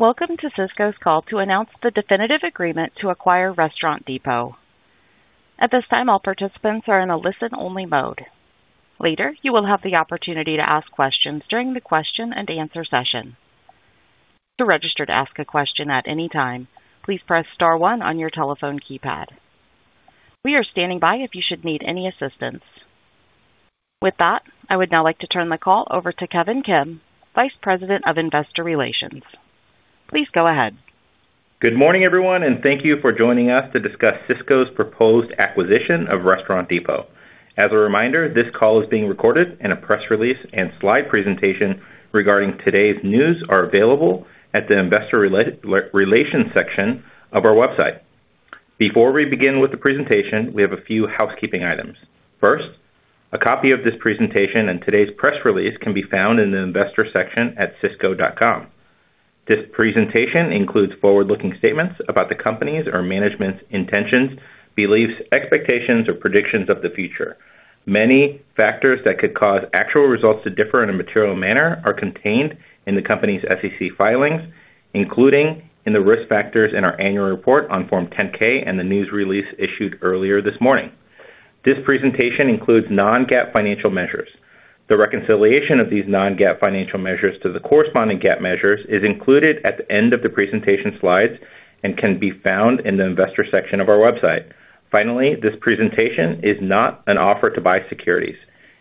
Welcome to Sysco's call to announce the definitive agreement to acquire Restaurant Depot. At this time, all participants are in a listen-only mode. Later, you will have the opportunity to ask questions during the question-and-answer session. To register to ask a question at any time, please press star one on your telephone keypad. We are standing by if you should need any assistance. With that, I would now like to turn the call over to Kevin Kim, Vice President of Investor Relations. Please go ahead. Good morning, everyone, and thank you for joining us to discuss Sysco's proposed acquisition of Restaurant Depot. As a reminder, this call is being recorded and a press release and slide presentation regarding today's news are available at the Investor Relations section of our website. Before we begin with the presentation, we have a few housekeeping items. First, a copy of this presentation and today's press release can be found in the investor section at sysco.com. This presentation includes forward-looking statements about the companies or management's intentions, beliefs, expectations, or predictions of the future. Many factors that could cause actual results to differ in a material manner are contained in the company's SEC filings, including in the risk factors in our annual report on Form 10-K and the news release issued earlier this morning. This presentation includes non-GAAP financial measures. The reconciliation of these non-GAAP financial measures to the corresponding GAAP measures is included at the end of the presentation slides and can be found in the investor section of our website. Finally, this presentation is not an offer to buy securities.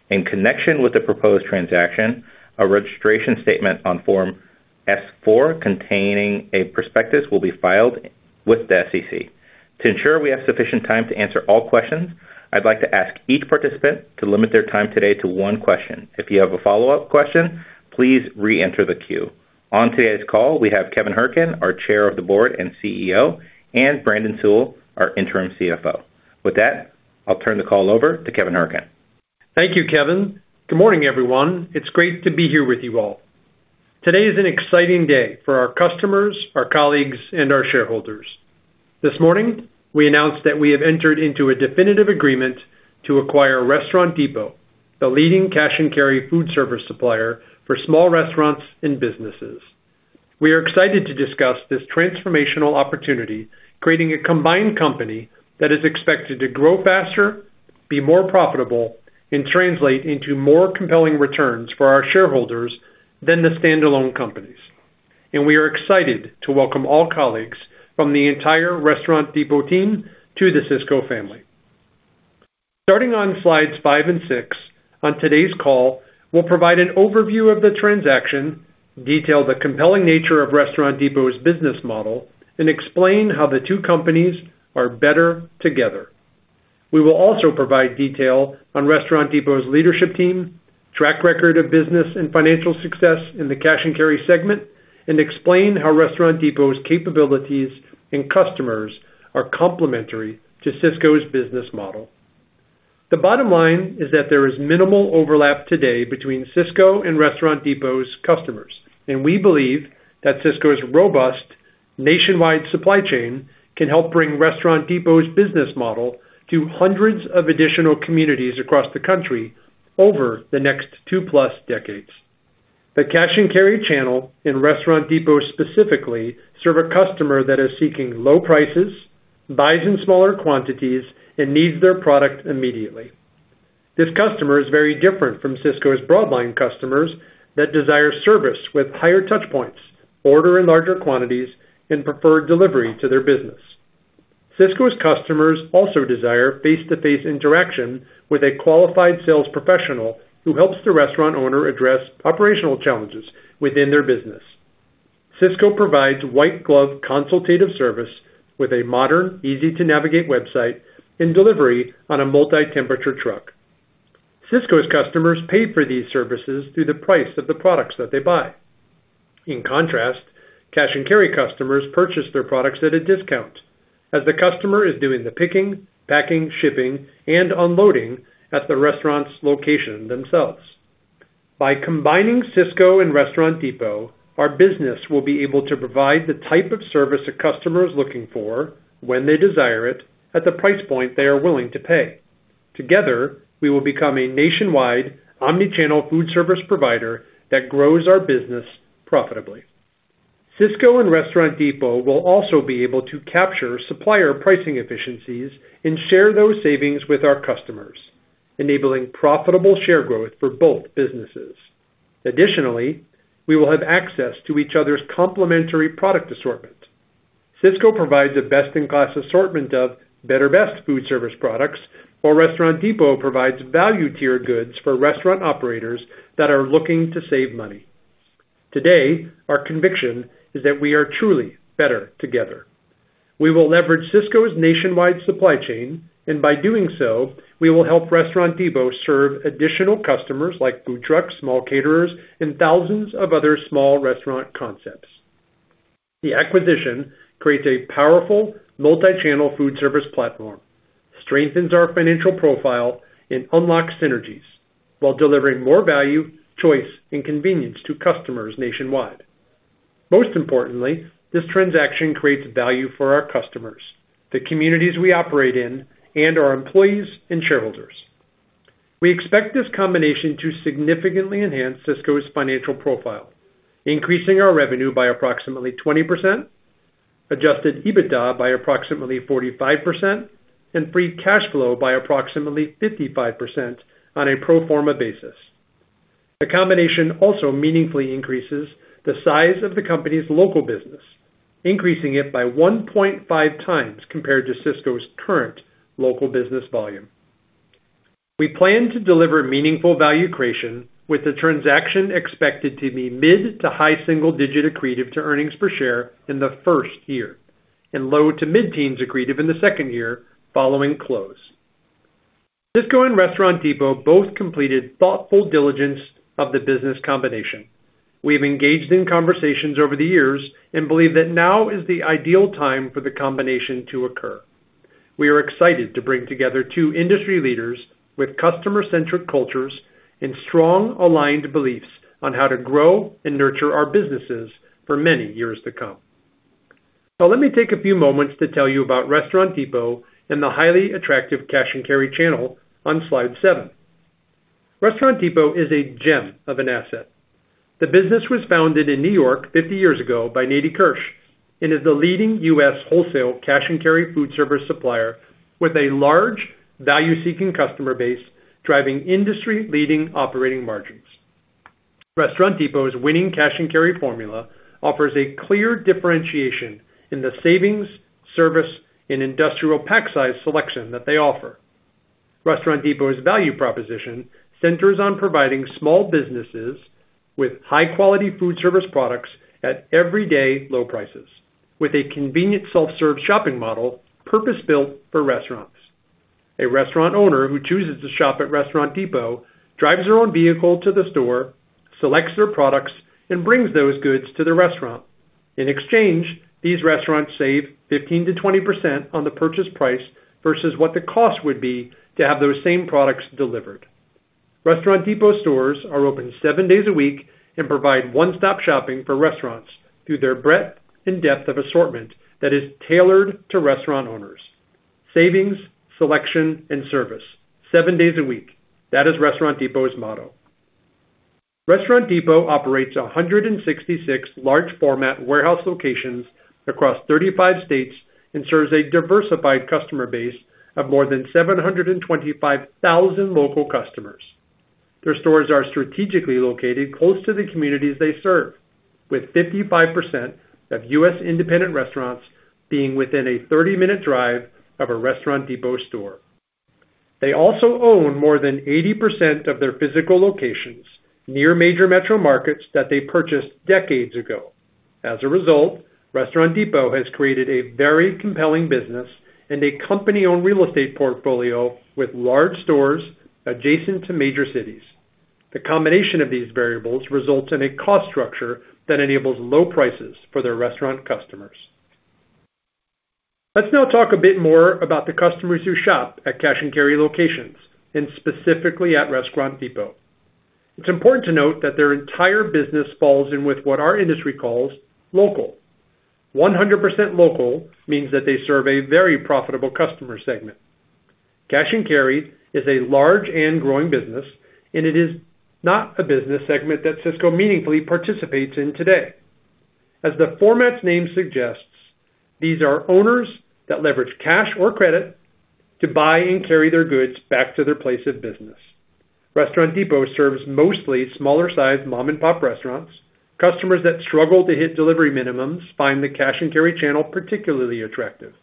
In connection with the proposed transaction, a registration statement on Form S-4 containing a prospectus will be filed with the SEC. To ensure we have sufficient time to answer all questions, I'd like to ask each participant to limit their time today to one question. If you have a follow-up question, please re-enter the queue. On today's call, we have Kevin Hourican, our Chair of the Board and CEO, and Brandon Sewell, our Interim CFO. With that, I'll turn the call over to Kevin Hourican. Thank you, Kevin. Good morning, everyone. It's great to be here with you all. Today is an exciting day for our customers, our colleagues, and our shareholders. This morning, we announced that we have entered into a definitive agreement to acquire Restaurant Depot, the leading cash and carry foodservice supplier for small restaurants and businesses. We are excited to discuss this transformational opportunity, creating a combined company that is expected to grow faster, be more profitable, and translate into more compelling returns for our shareholders than the standalone companies. We are excited to welcome all colleagues from the entire Restaurant Depot team to the Sysco family. Starting on slides five and six, on today's call, we'll provide an overview of the transaction, detail the compelling nature of Restaurant Depot's business model, and explain how the two companies are better together. We will also provide detail on Restaurant Depot's leadership team, track record of business and financial success in the Cash & Carry segment, and explain how Restaurant Depot's capabilities and customers are complementary to Sysco's business model. The bottom line is that there is minimal overlap today between Sysco and Restaurant Depot's customers, and we believe that Sysco's robust nationwide supply chain can help bring Restaurant Depot's business model to hundreds of additional communities across the country over the next 2+ decades. The cash and carry channel and Restaurant Depot specifically serve a customer that is seeking low prices, buys in smaller quantities, and needs their product immediately. This customer is very different from Sysco's broad line customers that desire service with higher touch points, order in larger quantities, and prefer delivery to their business. Sysco's customers also desire face-to-face interaction with a qualified sales professional who helps the restaurant owner address operational challenges within their business. Sysco provides white glove consultative service with a modern, easy to navigate website and delivery on a multi-temperature truck. Sysco's customers pay for these services through the price of the products that they buy. In contrast, cash and carry customers purchase their products at a discount as the customer is doing the picking, packing, shipping, and unloading at the restaurant's location themselves. By combining Sysco and Restaurant Depot, our business will be able to provide the type of service a customer is looking for, when they desire it, at the price point they are willing to pay. Together, we will become a nationwide omni-channel foodservice provider that grows our business profitably. Sysco and Restaurant Depot will also be able to capture supplier pricing efficiencies and share those savings with our customers, enabling profitable share growth for both businesses. Additionally, we will have access to each other's complementary product assortment. Sysco provides a best in class assortment of better best foodservice products, while Restaurant Depot provides value tier goods for restaurant operators that are looking to save money. Today, our conviction is that we are truly better together. We will leverage Sysco's nationwide supply chain, and by doing so, we will help Restaurant Depot serve additional customers like food trucks, small caterers, and thousands of other small restaurant concepts. The acquisition creates a powerful multi-channel foodservice platform, strengthens our financial profile, and unlocks synergies while delivering more value, choice, and convenience to customers nationwide. Most importantly, this transaction creates value for our customers, the communities we operate in, and our employees and shareholders. We expect this combination to significantly enhance Sysco's financial profile, increasing our revenue by approximately 20%, Adjusted EBITDA by approximately 45%, and free cash flow by approximately 55% on a pro forma basis. The combination also meaningfully increases the size of the company's local business, increasing it by 1.5x compared to Sysco's current local business volume. We plan to deliver meaningful value creation, with the transaction expected to be mid- to high-single-digit accretive to earnings per share in the first year, and low- to mid-teens accretive in the second year following close. Sysco and Restaurant Depot both completed thoughtful diligence of the business combination. We've engaged in conversations over the years and believe that now is the ideal time for the combination to occur. We are excited to bring together two industry leaders with customer-centric cultures and strong aligned beliefs on how to grow and nurture our businesses for many years to come. Now, let me take a few moments to tell you about Restaurant Depot and the highly attractive cash and carry channel on slide seven. Restaurant Depot is a gem of an asset. The business was founded in New York 50 years ago by Natie Kirsh and is the leading U.S. wholesale cash and carry foodservice supplier with a large value-seeking customer base driving industry-leading operating margins. Restaurant Depot's winning cash and carry formula offers a clear differentiation in the savings, service, and industrial pack size selection that they offer. Restaurant Depot's value proposition centers on providing small businesses with high-quality foodservice products at everyday low prices with a convenient self-serve shopping model purpose-built for restaurants. A restaurant owner who chooses to shop at Restaurant Depot drives their own vehicle to the store, selects their products, and brings those goods to the restaurant. In exchange, these restaurants save 15%-20% on the purchase price versus what the cost would be to have those same products delivered. Restaurant Depot stores are open seven days a week and provide one-stop shopping for restaurants through their breadth and depth of assortment that is tailored to restaurant owners. Savings, selection, and service seven days a week. That is Restaurant Depot's motto. Restaurant Depot operates 166 large format warehouse locations across 35 states and serves a diversified customer base of more than 725,000 local customers. Their stores are strategically located close to the communities they serve, with 55% of U.S. independent restaurants being within a 30-minute drive of a Restaurant Depot store. They also own more than 80% of their physical locations near major metro markets that they purchased decades ago. As a result, Restaurant Depot has created a very compelling business and a company-owned real estate portfolio with large stores adjacent to major cities. The combination of these variables results in a cost structure that enables low prices for their restaurant customers. Let's now talk a bit more about the customers who shop at cash and carry locations, and specifically at Restaurant Depot. It's important to note that their entire business falls in with what our industry calls local. 100% local means that they serve a very profitable customer segment. Cash and carry is a large and growing business, and it is not a business segment that Sysco meaningfully participates in today. As the format's name suggests, these are owners that leverage cash or credit to buy and carry their goods back to their place of business. Restaurant Depot serves mostly smaller sized mom-and-pop restaurants. Customers that struggle to hit delivery minimums find the cash and carry channel particularly attractive.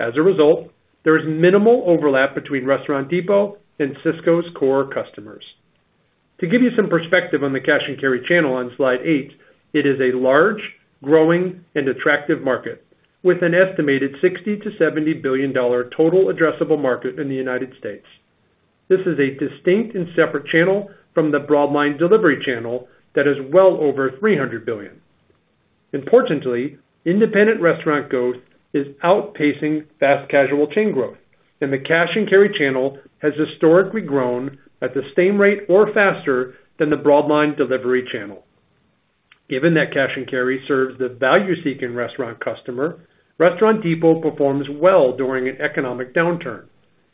As a result, there is minimal overlap between Restaurant Depot and Sysco's core customers. To give you some perspective on the cash and carry channel on slide eight, it is a large, growing, and attractive market with an estimated $60 billion-$70 billion total addressable market in the U.S. This is a distinct and separate channel from the broadline delivery channel that is well over $300 billion. Importantly, independent restaurant growth is outpacing fast casual chain growth, and the cash and carry channel has historically grown at the same rate or faster than the broadline delivery channel. Given that cash and carry serves the value-seeking restaurant customer, Restaurant Depot performs well during an economic downturn.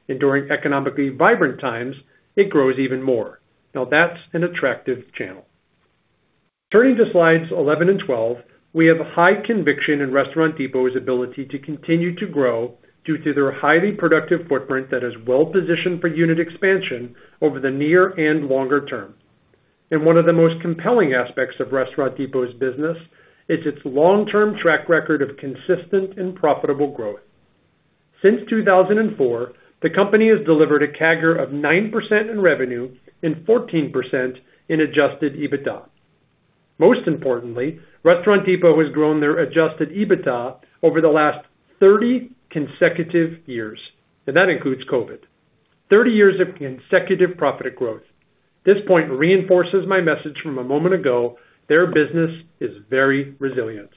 During economically vibrant times, it grows even more. Now, that's an attractive channel. Turning to slides 11 and 12, we have high conviction in Restaurant Depot's ability to continue to grow due to their highly productive footprint that is well positioned for unit expansion over the near and longer term. One of the most compelling aspects of Restaurant Depot's business is its long-term track record of consistent and profitable growth. Since 2004, the company has delivered a CAGR of 9% in revenue and 14% in Adjusted EBITDA. Most importantly, Restaurant Depot has grown their Adjusted EBITDA over the last 30 consecutive years, and that includes COVID. 30 years of consecutive profit growth. This point reinforces my message from a moment ago, their business is very resilient.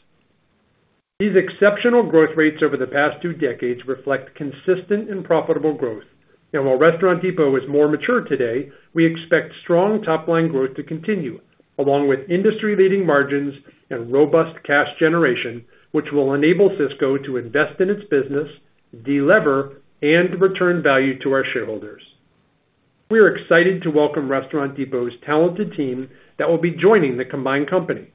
These exceptional growth rates over the past two decades reflect consistent and profitable growth. While Restaurant Depot is more mature today, we expect strong top-line growth to continue, along with industry-leading margins and robust cash generation, which will enable Sysco to invest in its business, delever, and return value to our shareholders. We're excited to welcome Restaurant Depot's talented team that will be joining the combined company.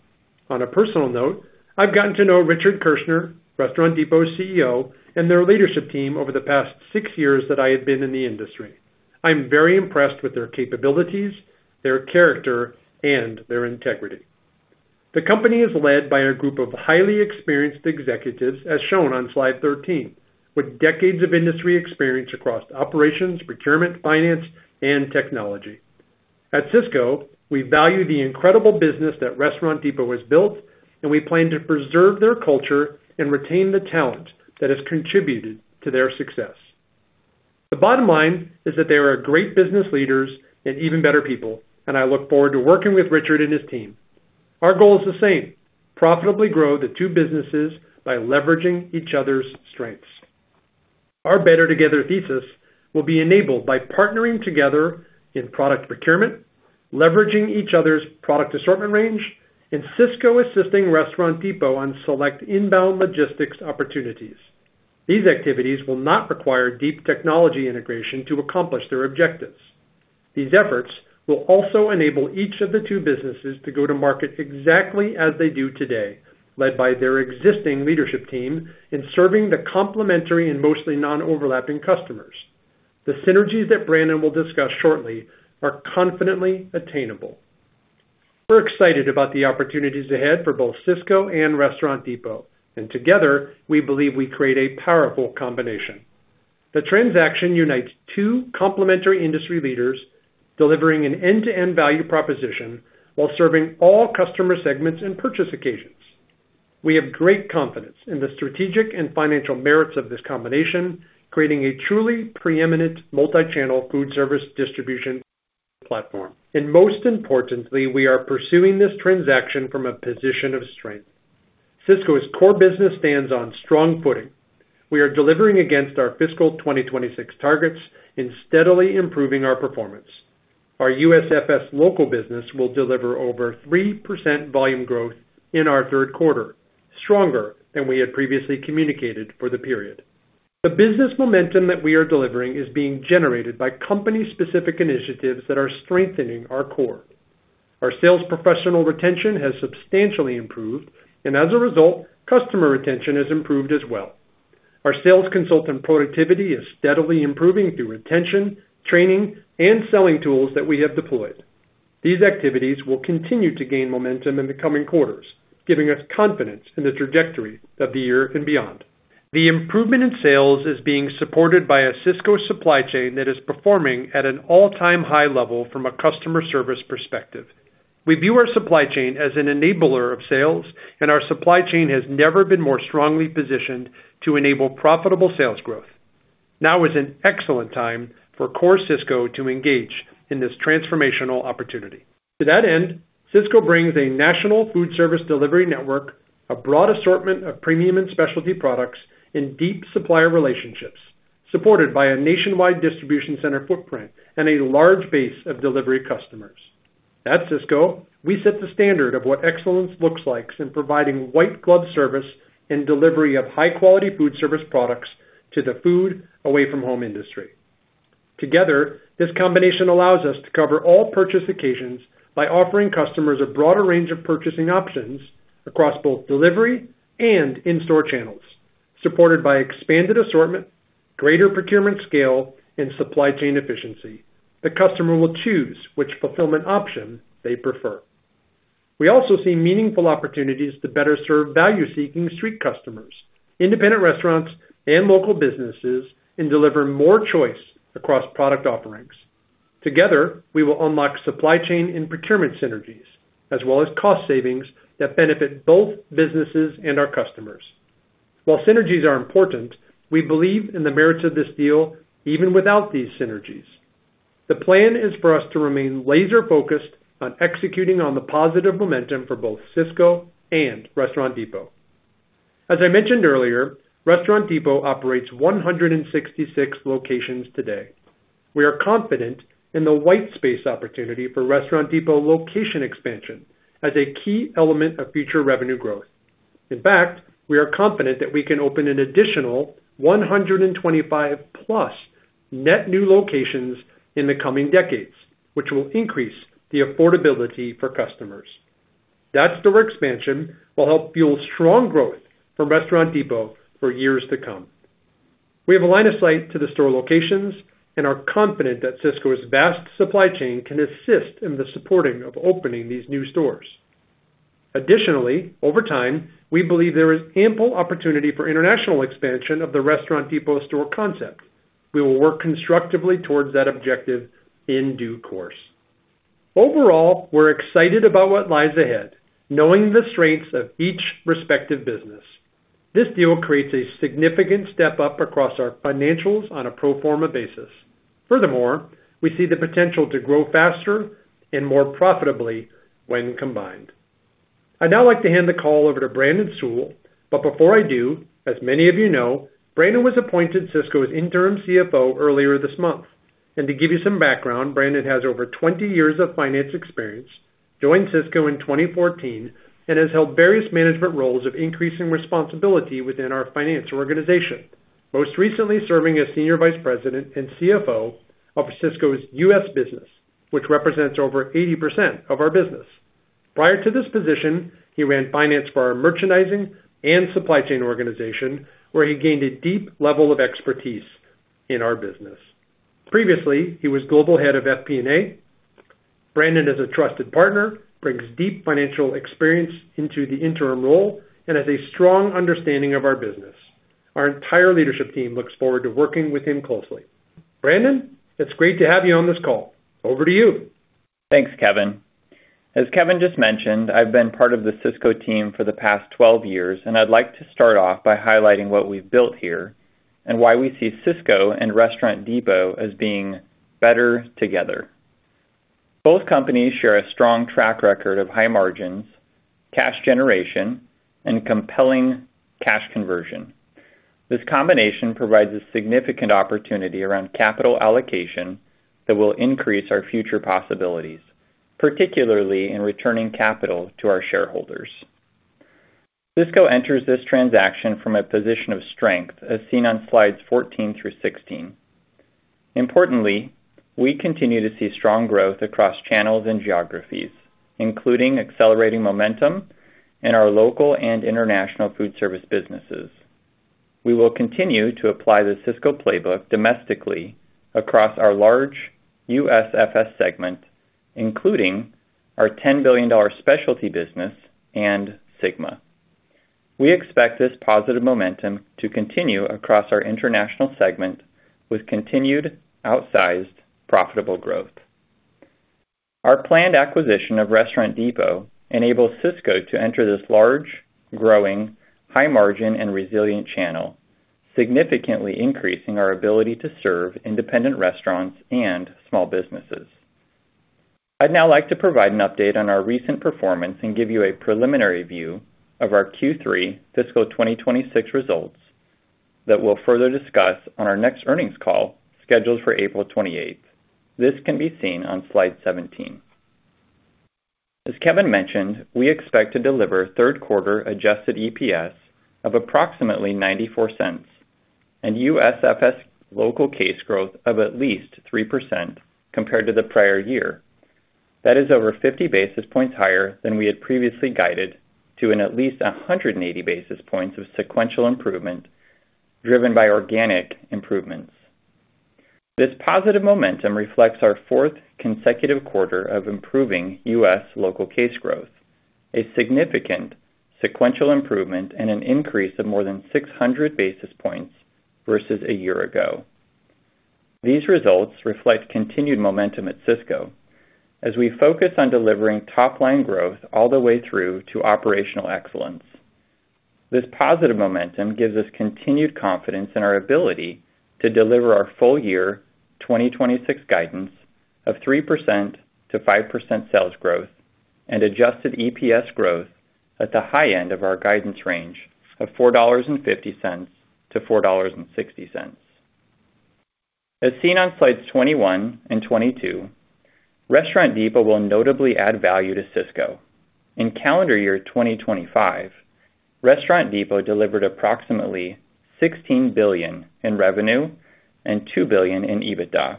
On a personal note, I've gotten to know Richard Kirschner, Restaurant Depot's CEO, and their leadership team over the past six years that I have been in the industry. I'm very impressed with their capabilities, their character, and their integrity. The company is led by a group of highly experienced executives, as shown on slide 13, with decades of industry experience across operations, procurement, finance, and technology. At Sysco, we value the incredible business that Restaurant Depot has built, and we plan to preserve their culture and retain the talent that has contributed to their success. The bottom line is that they are great business leaders and even better people, and I look forward to working with Richard and his team. Our goal is the same, profitably grow the two businesses by leveraging each other's strengths. Our better together thesis will be enabled by partnering together in product procurement, leveraging each other's product assortment range, and Sysco assisting Restaurant Depot on select inbound logistics opportunities. These activities will not require deep technology integration to accomplish their objectives. These efforts will also enable each of the two businesses to go-to-market exactly as they do today, led by their existing leadership team in serving the complementary and mostly non-overlapping customers. The synergies that Brandon will discuss shortly are confidently attainable. We're excited about the opportunities ahead for both Sysco and Restaurant Depot, and together, we believe we create a powerful combination. The transaction unites two complementary industry leaders, delivering an end-to-end value proposition while serving all customer segments and purchase occasions. We have great confidence in the strategic and financial merits of this combination, creating a truly preeminent multi-channel foodservice distribution platform. Most importantly, we are pursuing this transaction from a position of strength. Sysco's core business stands on strong footing. We are delivering against our fiscal 2026 targets and steadily improving our performance. Our USFS local business will deliver over 3% volume growth in our third quarter, stronger than we had previously communicated for the period. The business momentum that we are delivering is being generated by company-specific initiatives that are strengthening our core. Our sales professional retention has substantially improved, and as a result, customer retention has improved as well. Our sales consultant productivity is steadily improving through retention, training, and selling tools that we have deployed. These activities will continue to gain momentum in the coming quarters, giving us confidence in the trajectory of the year and beyond. The improvement in sales is being supported by a Sysco supply chain that is performing at an all-time high level from a customer service perspective. We view our supply chain as an enabler of sales, and our supply chain has never been more strongly positioned to enable profitable sales growth. Now is an excellent time for core Sysco to engage in this transformational opportunity. To that end, Sysco brings a national foodservice delivery network, a broad assortment of premium and specialty products and deep supplier relationships, supported by a nationwide distribution center footprint and a large base of delivery customers. At Sysco, we set the standard of what excellence looks like in providing white glove service and delivery of high-quality foodservice products to the food away from home industry. Together, this combination allows us to cover all purchase occasions by offering customers a broader range of purchasing options across both delivery and in-store channels, supported by expanded assortment, greater procurement scale, and supply chain efficiency. The customer will choose which fulfillment option they prefer. We also see meaningful opportunities to better serve value-seeking street customers, independent restaurants and local businesses, and deliver more choice across product offerings. Together, we will unlock supply chain and procurement synergies, as well as cost savings that benefit both businesses and our customers. While synergies are important, we believe in the merits of this deal, even without these synergies. The plan is for us to remain laser-focused on executing on the positive momentum for both Sysco and Restaurant Depot. As I mentioned earlier, Restaurant Depot operates 166 locations today. We are confident in the white space opportunity for Restaurant Depot location expansion as a key element of future revenue growth. In fact, we are confident that we can open an additional 125+ net new locations in the coming decades, which will increase the affordability for customers. That store expansion will help fuel strong growth for Restaurant Depot for years to come. We have a line of sight to the store locations and are confident that Sysco's vast supply chain can assist in the supporting of opening these new stores. Additionally, over time, we believe there is ample opportunity for international expansion of the Restaurant Depot store concept. We will work constructively towards that objective in due course. Overall, we're excited about what lies ahead, knowing the strengths of each respective business. This deal creates a significant step up across our financials on a pro forma basis. Furthermore, we see the potential to grow faster and more profitably when combined. I'd now like to hand the call over to Brandon Sewell. Before I do, as many of you know, Brandon was appointed Sysco's Interim CFO earlier this month. To give you some background, Brandon has over 20 years of finance experience. He joined Sysco in 2014 and has held various management roles of increasing responsibility within our financial organization, most recently serving as Senior Vice President and CFO of Sysco's U.S. business, which represents over 80% of our business. Prior to this position, he ran finance for our merchandising and supply chain organization, where he gained a deep level of expertise in our business. Previously, he was Global Head of FP&A. Brandon is a trusted partner, brings deep financial experience into the interim role, and has a strong understanding of our business. Our entire leadership team looks forward to working with him closely. Brandon, it's great to have you on this call. Over to you. Thanks, Kevin. As Kevin just mentioned, I've been part of the Sysco team for the past 12 years, and I'd like to start off by highlighting what we've built here and why we see Sysco and Restaurant Depot as being better together. Both companies share a strong track record of high margins, cash generation, and compelling cash conversion. This combination provides a significant opportunity around capital allocation that will increase our future possibilities, particularly in returning capital to our shareholders. Sysco enters this transaction from a position of strength, as seen on slides 14 through 16. Importantly, we continue to see strong growth across channels and geographies, including accelerating momentum in our local and international foodservice businesses. We will continue to apply the Sysco playbook domestically across our large USFS segment, including our $10 billion specialty business and SYGMA. We expect this positive momentum to continue across our international segment with continued outsized, profitable growth. Our planned acquisition of Restaurant Depot enables Sysco to enter this large, growing, high margin and resilient channel, significantly increasing our ability to serve independent restaurants and small businesses. I'd now like to provide an update on our recent performance and give you a preliminary view of our Q3 fiscal 2026 results that we'll further discuss on our next earnings call scheduled for April 28. This can be seen on slide 17. As Kevin mentioned, we expect to deliver third quarter Adjusted EPS of approximately $0.94 and USFS local case growth of at least 3% compared to the prior year. That is over 50 basis points higher than we had previously guided to an at least 180 basis points of sequential improvement driven by organic improvements. This positive momentum reflects our fourth consecutive quarter of improving U.S. local case growth, a significant sequential improvement, and an increase of more than 600 basis points versus a year ago. These results reflect continued momentum at Sysco as we focus on delivering top line growth all the way through to operational excellence. This positive momentum gives us continued confidence in our ability to deliver our full year 2026 guidance of 3%-5% sales growth and Adjusted EPS growth at the high end of our guidance range of $4.50-$4.60. As seen on slides 21 and 22, Restaurant Depot will notably add value to Sysco. In calendar year 2025, Restaurant Depot delivered approximately $16 billion in revenue and $2 billion in EBITDA,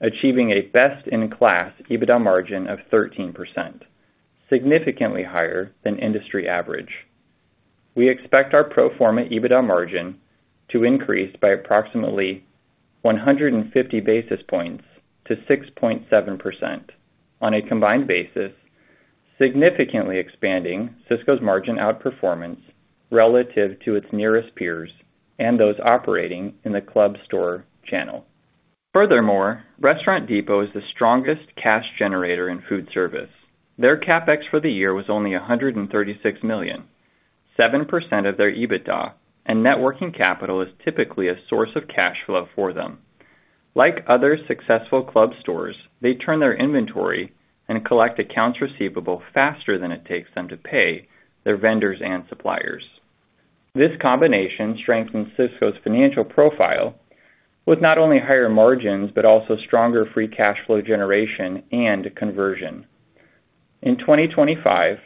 achieving a best in class EBITDA margin of 13%, significantly higher than industry average. We expect our pro forma EBITDA margin to increase by approximately 150 basis points to 6.7% on a combined basis, significantly expanding Sysco's margin outperformance relative to its nearest peers and those operating in the club store channel. Furthermore, Restaurant Depot is the strongest cash generator in foodservice. Their CapEx for the year was only $136 million, 7% of their EBITDA, and networking capital is typically a source of cash flow for them. Like other successful club stores, they turn their inventory and collect accounts receivable faster than it takes them to pay their vendors and suppliers. This combination strengthens Sysco's financial profile with not only higher margins, but also stronger free cash flow generation and conversion. In 2025,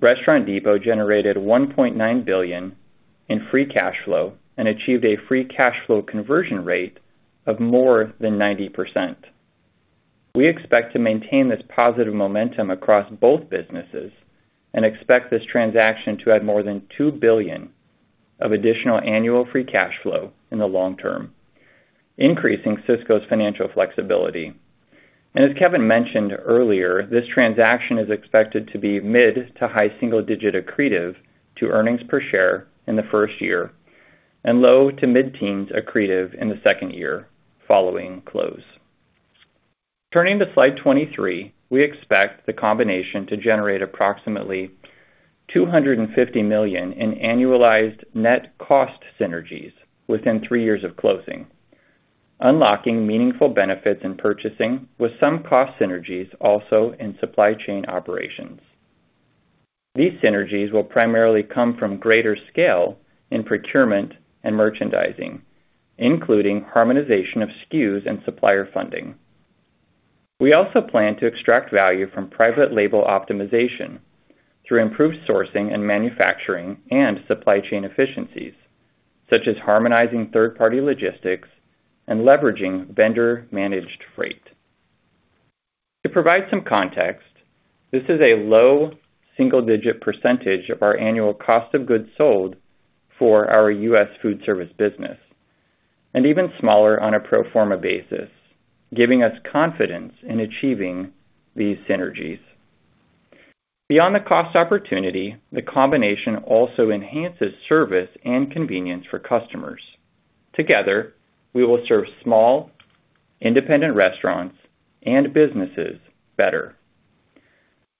Restaurant Depot generated $1.9 billion in free cash flow and achieved a free cash flow conversion rate of more than 90%. We expect to maintain this positive momentum across both businesses and expect this transaction to add more than $2 billion of additional annual free cash flow in the long term, increasing Sysco's financial flexibility. As Kevin mentioned earlier, this transaction is expected to be mid- to high-single-digit accretive to earnings per share in the first year and low- to mid-teens accretive in the second year following close. Turning to slide 23, we expect the combination to generate approximately $250 million in annualized net cost synergies within three years of closing, unlocking meaningful benefits in purchasing, with some cost synergies also in supply chain operations. These synergies will primarily come from greater scale in procurement and merchandising, including harmonization of SKUs and supplier funding. We also plan to extract value from private label optimization through improved sourcing and manufacturing and supply chain efficiencies, such as harmonizing third-party logistics and leveraging vendor-managed freight. To provide some context, this is a low single-digit % of our annual cost of goods sold for our U.S. foodservice business, and even smaller on a pro forma basis, giving us confidence in achieving these synergies. Beyond the cost opportunity, the combination also enhances service and convenience for customers. Together, we will serve small, independent restaurants and businesses better.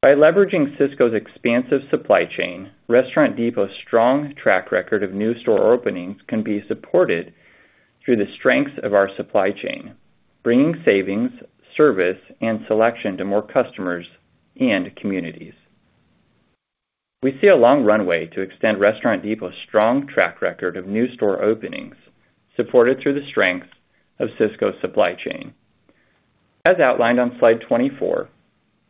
By leveraging Sysco's expansive supply chain, Restaurant Depot's strong track record of new store openings can be supported through the strength of our supply chain, bringing savings, service, and selection to more customers and communities. We see a long runway to extend Restaurant Depot's strong track record of new store openings supported through the strength of Sysco's supply chain. As outlined on slide 24,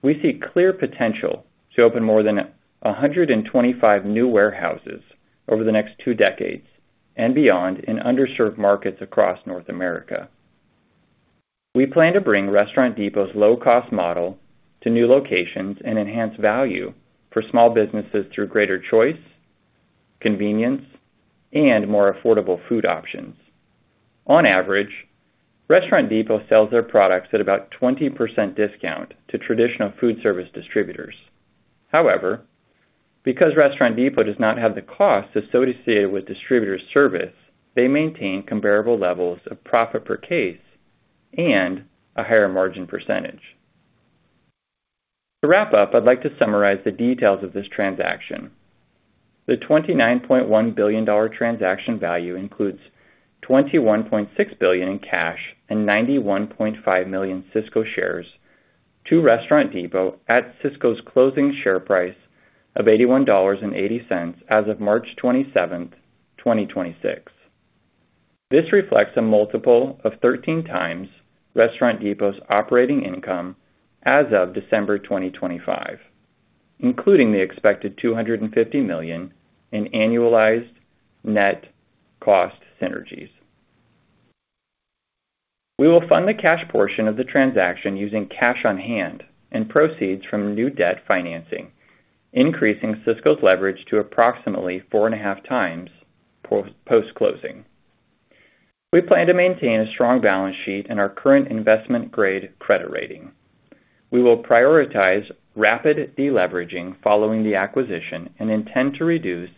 we see clear potential to open more than 125 new warehouses over the next two decades and beyond in underserved markets across North America. We plan to bring Restaurant Depot's low-cost model to new locations and enhance value for small businesses through greater choice, convenience, and more affordable food options. On average, Restaurant Depot sells their products at about 20% discount to traditional foodservice distributors. However, because Restaurant Depot does not have the cost associated with distributor service, they maintain comparable levels of profit per case and a higher margin percentage. To wrap up, I'd like to summarize the details of this transaction. The $29.1 billion transaction value includes $21.6 billion in cash and 91.5 million Sysco shares to Restaurant Depot at Sysco's closing share price of $81.80 as of March 27th, 2026. This reflects a multiple of 13x Restaurant Depot's operating income as of December 2025, including the expected $250 million in annualized net cost synergies. We will fund the cash portion of the transaction using cash on hand and proceeds from new debt financing, increasing Sysco's leverage to approximately 4.5x post-closing. We plan to maintain a strong balance sheet in our current investment grade credit rating. We will prioritize rapid deleveraging following the acquisition and intend to reduce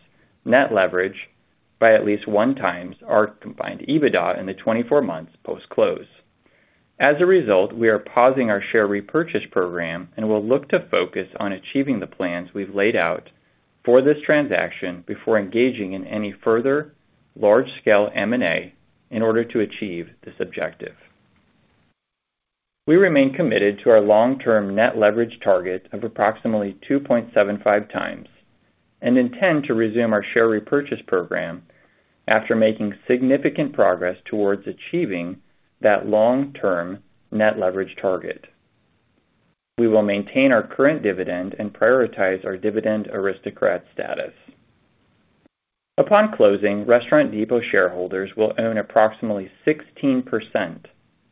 net leverage by at least 1x our combined EBITDA in the 24 months post-close. As a result, we are pausing our share repurchase program and will look to focus on achieving the plans we've laid out for this transaction before engaging in any further large-scale M&A in order to achieve this objective. We remain committed to our long-term net leverage target of approximately 2.75x and intend to resume our share repurchase program after making significant progress towards achieving that long-term net leverage target. We will maintain our current dividend and prioritize our Dividend Aristocrat status. Upon closing, Restaurant Depot shareholders will own approximately 16%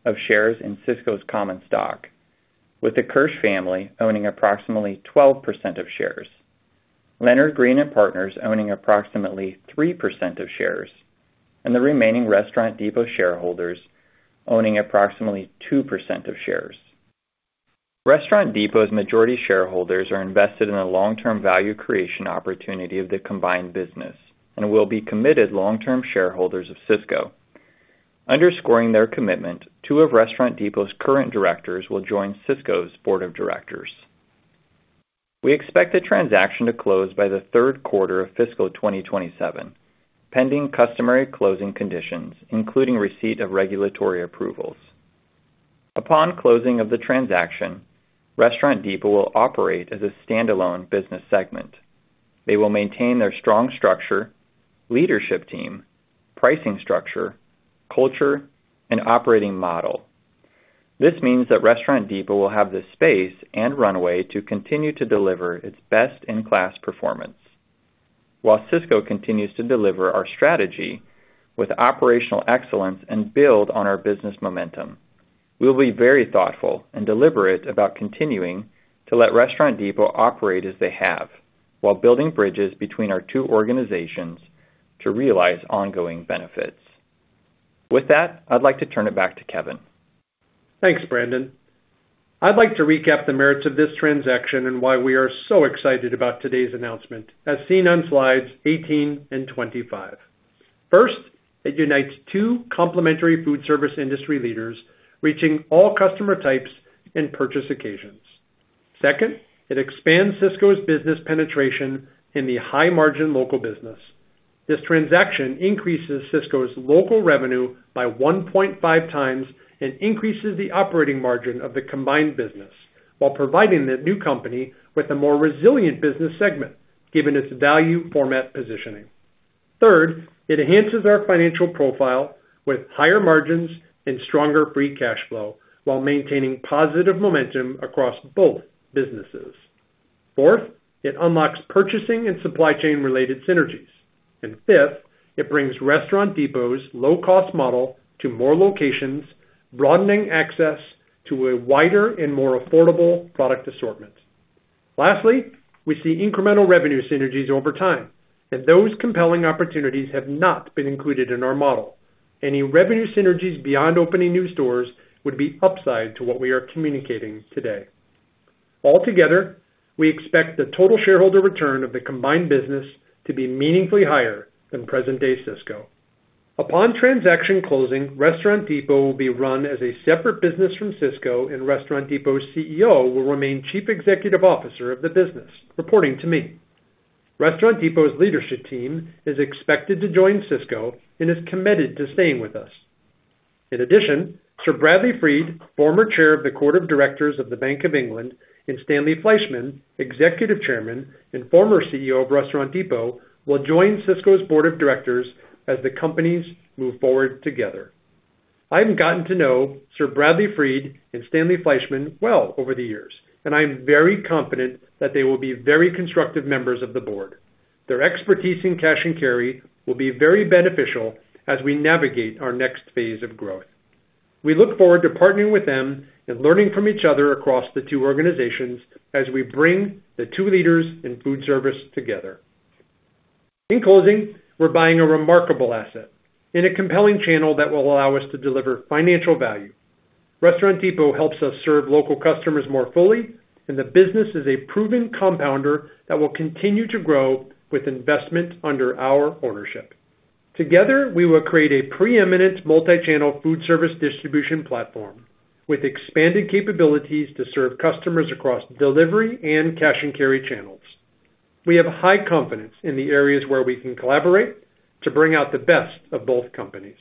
of shares in Sysco's common stock, with the Kirsch family owning approximately 12% of shares, Leonard Green & Partners owning approximately 3% of shares, and the remaining Restaurant Depot shareholders owning approximately 2% of shares. Restaurant Depot's majority shareholders are invested in a long-term value creation opportunity of the combined business and will be committed long-term shareholders of Sysco. Underscoring their commitment, two of Restaurant Depot's current directors will join Sysco's Board of Directors. We expect the transaction to close by the third quarter of fiscal 2027, pending customary closing conditions, including receipt of regulatory approvals. Upon closing of the transaction, Restaurant Depot will operate as a standalone business segment. They will maintain their strong structure, leadership team, pricing structure, culture, and operating model. This means that Restaurant Depot will have the space and runway to continue to deliver its best-in-class performance while Sysco continues to deliver our strategy with operational excellence and build on our business momentum. We'll be very thoughtful and deliberate about continuing to let Restaurant Depot operate as they have while building bridges between our two organizations to realize ongoing benefits. With that, I'd like to turn it back to Kevin. Thanks, Brandon. I'd like to recap the merits of this transaction and why we are so excited about today's announcement as seen on slides 18 and 25. First, it unites two complementary foodservice industry leaders, reaching all customer types and purchase occasions. Second, it expands Sysco's business penetration in the high-margin local business. This transaction increases Sysco's local revenue by 1.5x and increases the operating margin of the combined business while providing the new company with a more resilient business segment given its value format positioning. Third, it enhances our financial profile with higher margins and stronger free cash flow while maintaining positive momentum across both businesses. Fourth, it unlocks purchasing and supply chain related synergies. Fifth, it brings Restaurant Depot's low-cost model to more locations, broadening access to a wider and more affordable product assortment. Lastly, we see incremental revenue synergies over time, and those compelling opportunities have not been included in our model. Any revenue synergies beyond opening new stores would be upside to what we are communicating today. Altogether, we expect the total shareholder return of the combined business to be meaningfully higher than present day Sysco. Upon transaction closing, Restaurant Depot will be run as a separate business from Sysco, and Restaurant Depot's CEO will remain Chief Executive Officer of the business, reporting to me. Restaurant Depot's leadership team is expected to join Sysco and is committed to staying with us. In addition, Sir Bradley Fried, Former Chair of the Court of the Bank of England, and Stanley Fleishman, Executive Chairman and former CEO of Restaurant Depot, will join Sysco's Board of Directors as the companies move forward together. I have gotten to know Sir Bradley Fried and Stanley Fleishman well over the years, and I am very confident that they will be very constructive members of the board. Their expertise in cash and carry will be very beneficial as we navigate our next phase of growth. We look forward to partnering with them and learning from each other across the two organizations as we bring the two leaders in foodservice together. In closing, we're buying a remarkable asset in a compelling channel that will allow us to deliver financial value. Restaurant Depot helps us serve local customers more fully, and the business is a proven compounder that will continue to grow with investment under our ownership. Together, we will create a preeminent multi-channel foodservice distribution platform with expanded capabilities to serve customers across delivery and cash and carry channels. We have high confidence in the areas where we can collaborate to bring out the best of both companies.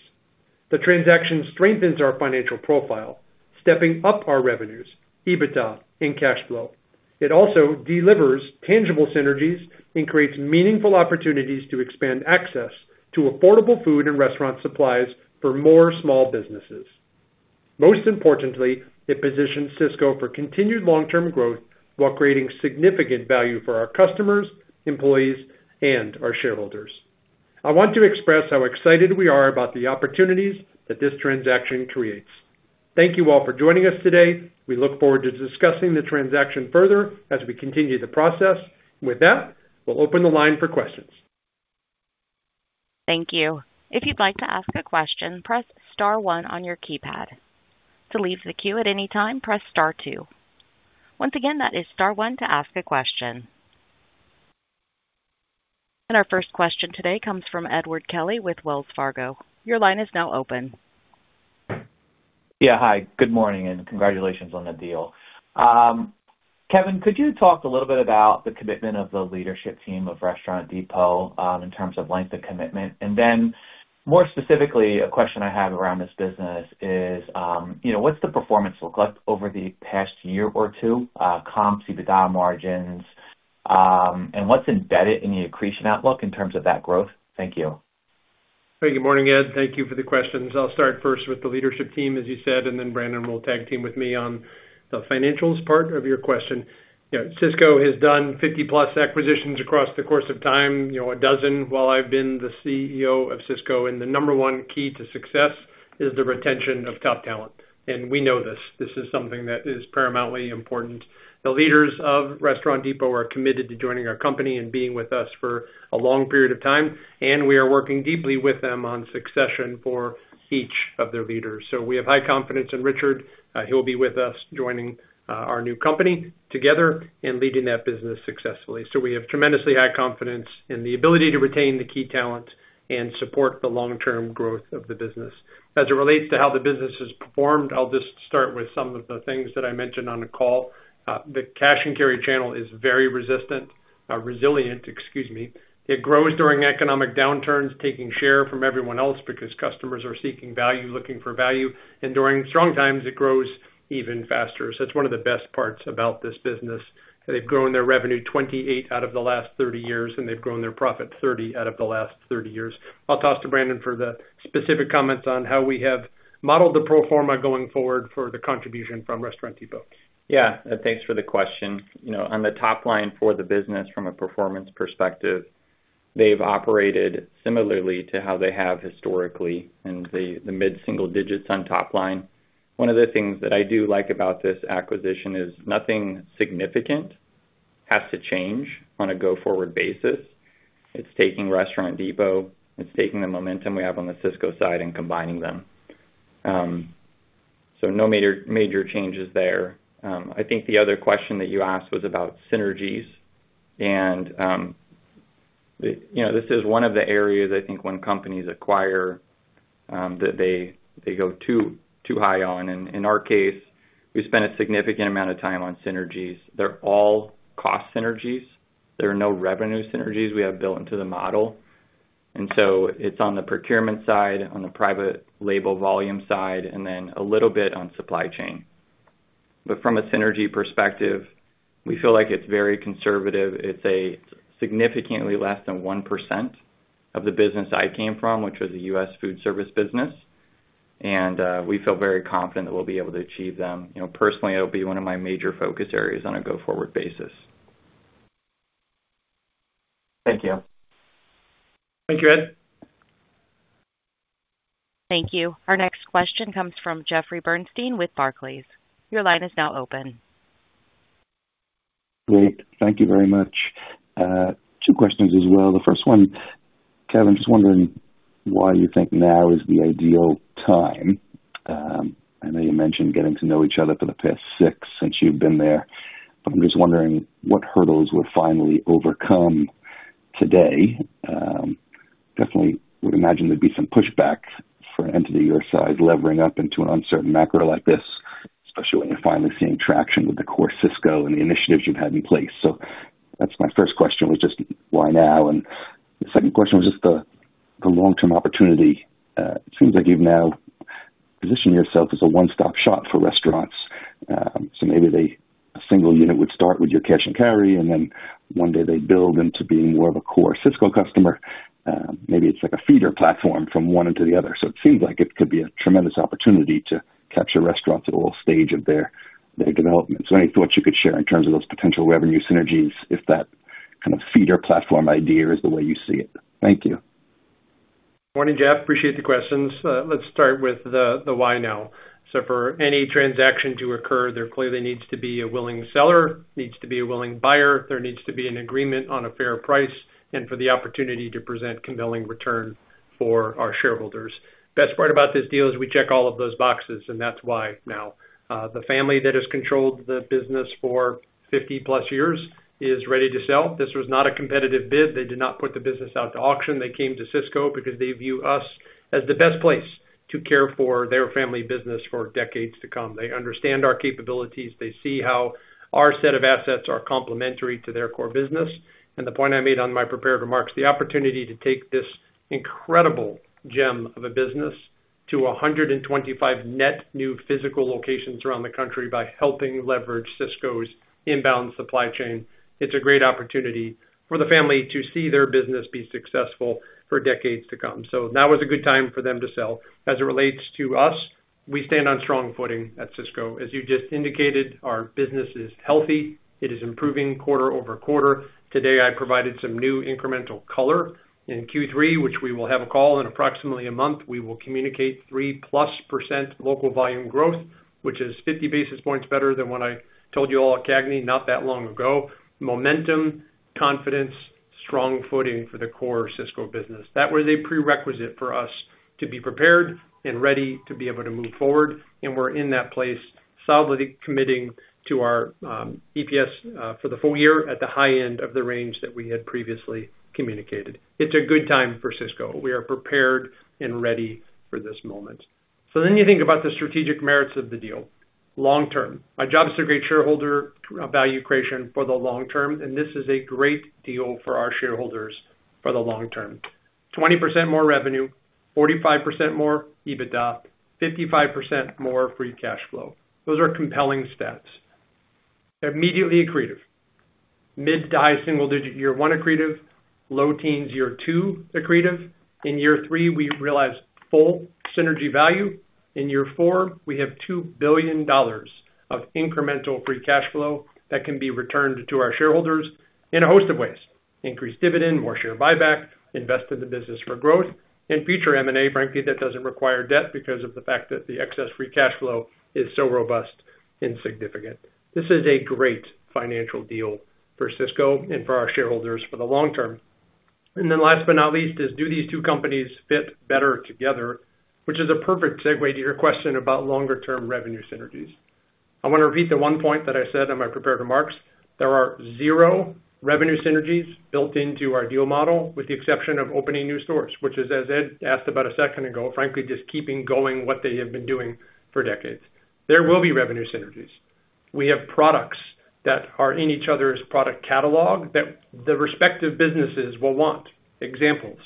The transaction strengthens our financial profile, stepping up our revenues, EBITDA, and cash flow. It also delivers tangible synergies and creates meaningful opportunities to expand access to affordable food and restaurant supplies for more small businesses. Most importantly, it positions Sysco for continued long-term growth while creating significant value for our customers, employees, and our shareholders. I want to express how excited we are about the opportunities that this transaction creates. Thank you all for joining us today. We look forward to discussing the transaction further as we continue the process. With that, we'll open the line for questions. Thank you. Our first question today comes from Edward Kelly with Wells Fargo. Your line is now open. Yeah, hi, good morning, and congratulations on the deal. Kevin, could you talk a little bit about the commitment of the leadership team of Restaurant Depot, in terms of length of commitment? More specifically, a question I have around this business is, you know, what's the performance look like over the past year or two, comp EBITDA margins, and what's embedded in the accretion outlook in terms of that growth? Thank you. Good morning, Ed. Thank you for the questions. I'll start first with the leadership team, as you said, and then Brandon will tag team with me on the financials part of your question. Sysco has done 50+ acquisitions across the course of time, you know, a dozen while I've been the CEO of Sysco. The number one key to success is the retention of top talent. We know this. This is something that is paramountly important. The leaders of Restaurant Depot are committed to joining our company and being with us for a long period of time, and we are working deeply with them on succession for each of their leaders. We have high confidence in Richard. He'll be with us joining our new company together and leading that business successfully. We have tremendously high confidence in the ability to retain the key talent and support the long-term growth of the business. As it relates to how the business has performed, I'll just start with some of the things that I mentioned on the call. The cash and carry channel is very resilient, excuse me. It grows during economic downturns, taking share from everyone else because customers are seeking value, looking for value, and during strong times, it grows even faster. It's one of the best parts about this business. They've grown their revenue 28 out of the last 30 years, and they've grown their profit 30 out of the last 30 years. I'll toss to Brandon for the specific comments on how we have modeled the pro forma going forward for the contribution from Restaurant Depot. Thanks for the question. You know, on the top line for the business from a performance perspective, they've operated similarly to how they have historically in the mid-single digits on top line. One of the things that I do like about this acquisition is nothing significant has to change on a go-forward basis. It's taking Restaurant Depot, it's taking the momentum we have on the Sysco side and combining them. No major changes there. I think the other question that you asked was about synergies, and you know, this is one of the areas I think when companies acquire that they go too high on. In our case, we spend a significant amount of time on synergies. They're all cost synergies. There are no revenue synergies we have built into the model. It's on the procurement side, on the private label volume side, and then a little bit on supply chain. From a synergy perspective, we feel like it's very conservative. It's a significantly less than 1% of the business I came from, which was a U.S. Foodservice business. We feel very confident that we'll be able to achieve them. You know, personally, it'll be one of my major focus areas on a go-forward basis. Thank you. Thank you, Ed. Thank you. Our next question comes from Jeffrey Bernstein with Barclays. Your line is now open. Great. Thank you very much. Two questions as well. The first one, Kevin, just wondering why you think now is the ideal time. I know you mentioned getting to know each other for the past six since you've been there, but I'm just wondering what hurdles were finally overcome today. Definitely would imagine there'd be some pushback for an entity your size levering up into an uncertain macro like this, especially when you're finally seeing traction with the core Sysco and the initiatives you've had in place. So that's my first question, was just why now? The second question was just the long-term opportunity. It seems like you've now positioned yourself as a one-stop shop for restaurants. A single unit would start with your cash and carry, and then one day they build into being more of a core Sysco customer. Maybe it's like a feeder platform from one into the other. It seems like it could be a tremendous opportunity to capture restaurants at all stages of their development. Any thoughts you could share in terms of those potential revenue synergies if that kind of feeder platform idea is the way you see it? Thank you. Morning, Jeff. Appreciate the questions. Let's start with the why now. For any transaction to occur, there clearly needs to be a willing seller, needs to be a willing buyer. There needs to be an agreement on a fair price and for the opportunity to present compelling return for our shareholders. Best part about this deal is we check all of those boxes, and that's why now. The family that has controlled the business for 50+ years is ready to sell. This was not a competitive bid. They did not put the business out to auction. They came to Sysco because they view us as the best place to care for their family business for decades to come. They understand our capabilities. They see how our set of assets are complementary to their core business. The point I made on my prepared remarks, the opportunity to take this incredible gem of a business to 125 net new physical locations around the country by helping leverage Sysco's inbound supply chain. It's a great opportunity for the family to see their business be successful for decades to come. Now is a good time for them to sell. As it relates to us, we stand on strong footing at Sysco. As you just indicated, our business is healthy. It is improving quarter-over-quarter. Today, I provided some new incremental color. In Q3, which we will have a call in approximately a month, we will communicate 3%+ local volume growth, which is 50 basis points better than what I told you all at CAGNY not that long ago. Momentum, confidence, strong footing for the core Sysco business. That was a prerequisite for us to be prepared and ready to be able to move forward, and we're in that place solidly committing to our EPS for the full year at the high end of the range that we had previously communicated. It's a good time for Sysco. We are prepared and ready for this moment. You think about the strategic merits of the deal long term. My job is to create shareholder value creation for the long term, and this is a great deal for our shareholders for the long term. 20% more revenue, 45% more EBITDA, 55% more free cash flow. Those are compelling stats. Immediately accretive. Mid- to high-single-digit year one accretive, low-teens year two accretive. In year three, we realize full synergy value. In year four, we have $2 billion of incremental free cash flow that can be returned to our shareholders in a host of ways. Increased dividend, more share buyback, invest in the business for growth and future M&A. Frankly, that doesn't require debt because of the fact that the excess free cash flow is so robust, insignificant. This is a great financial deal for Sysco and for our shareholders for the long term. Last but not least is, do these two companies fit better together? Which is a perfect segue to your question about longer term revenue synergies. I wanna repeat the one point that I said in my prepared remarks. There are zero revenue synergies built into our deal model, with the exception of opening new stores, which is, as Ed asked about a second ago, frankly, just keeping going what they have been doing for decades. There will be revenue synergies. We have products that are in each other's product catalog that the respective businesses will want. Examples.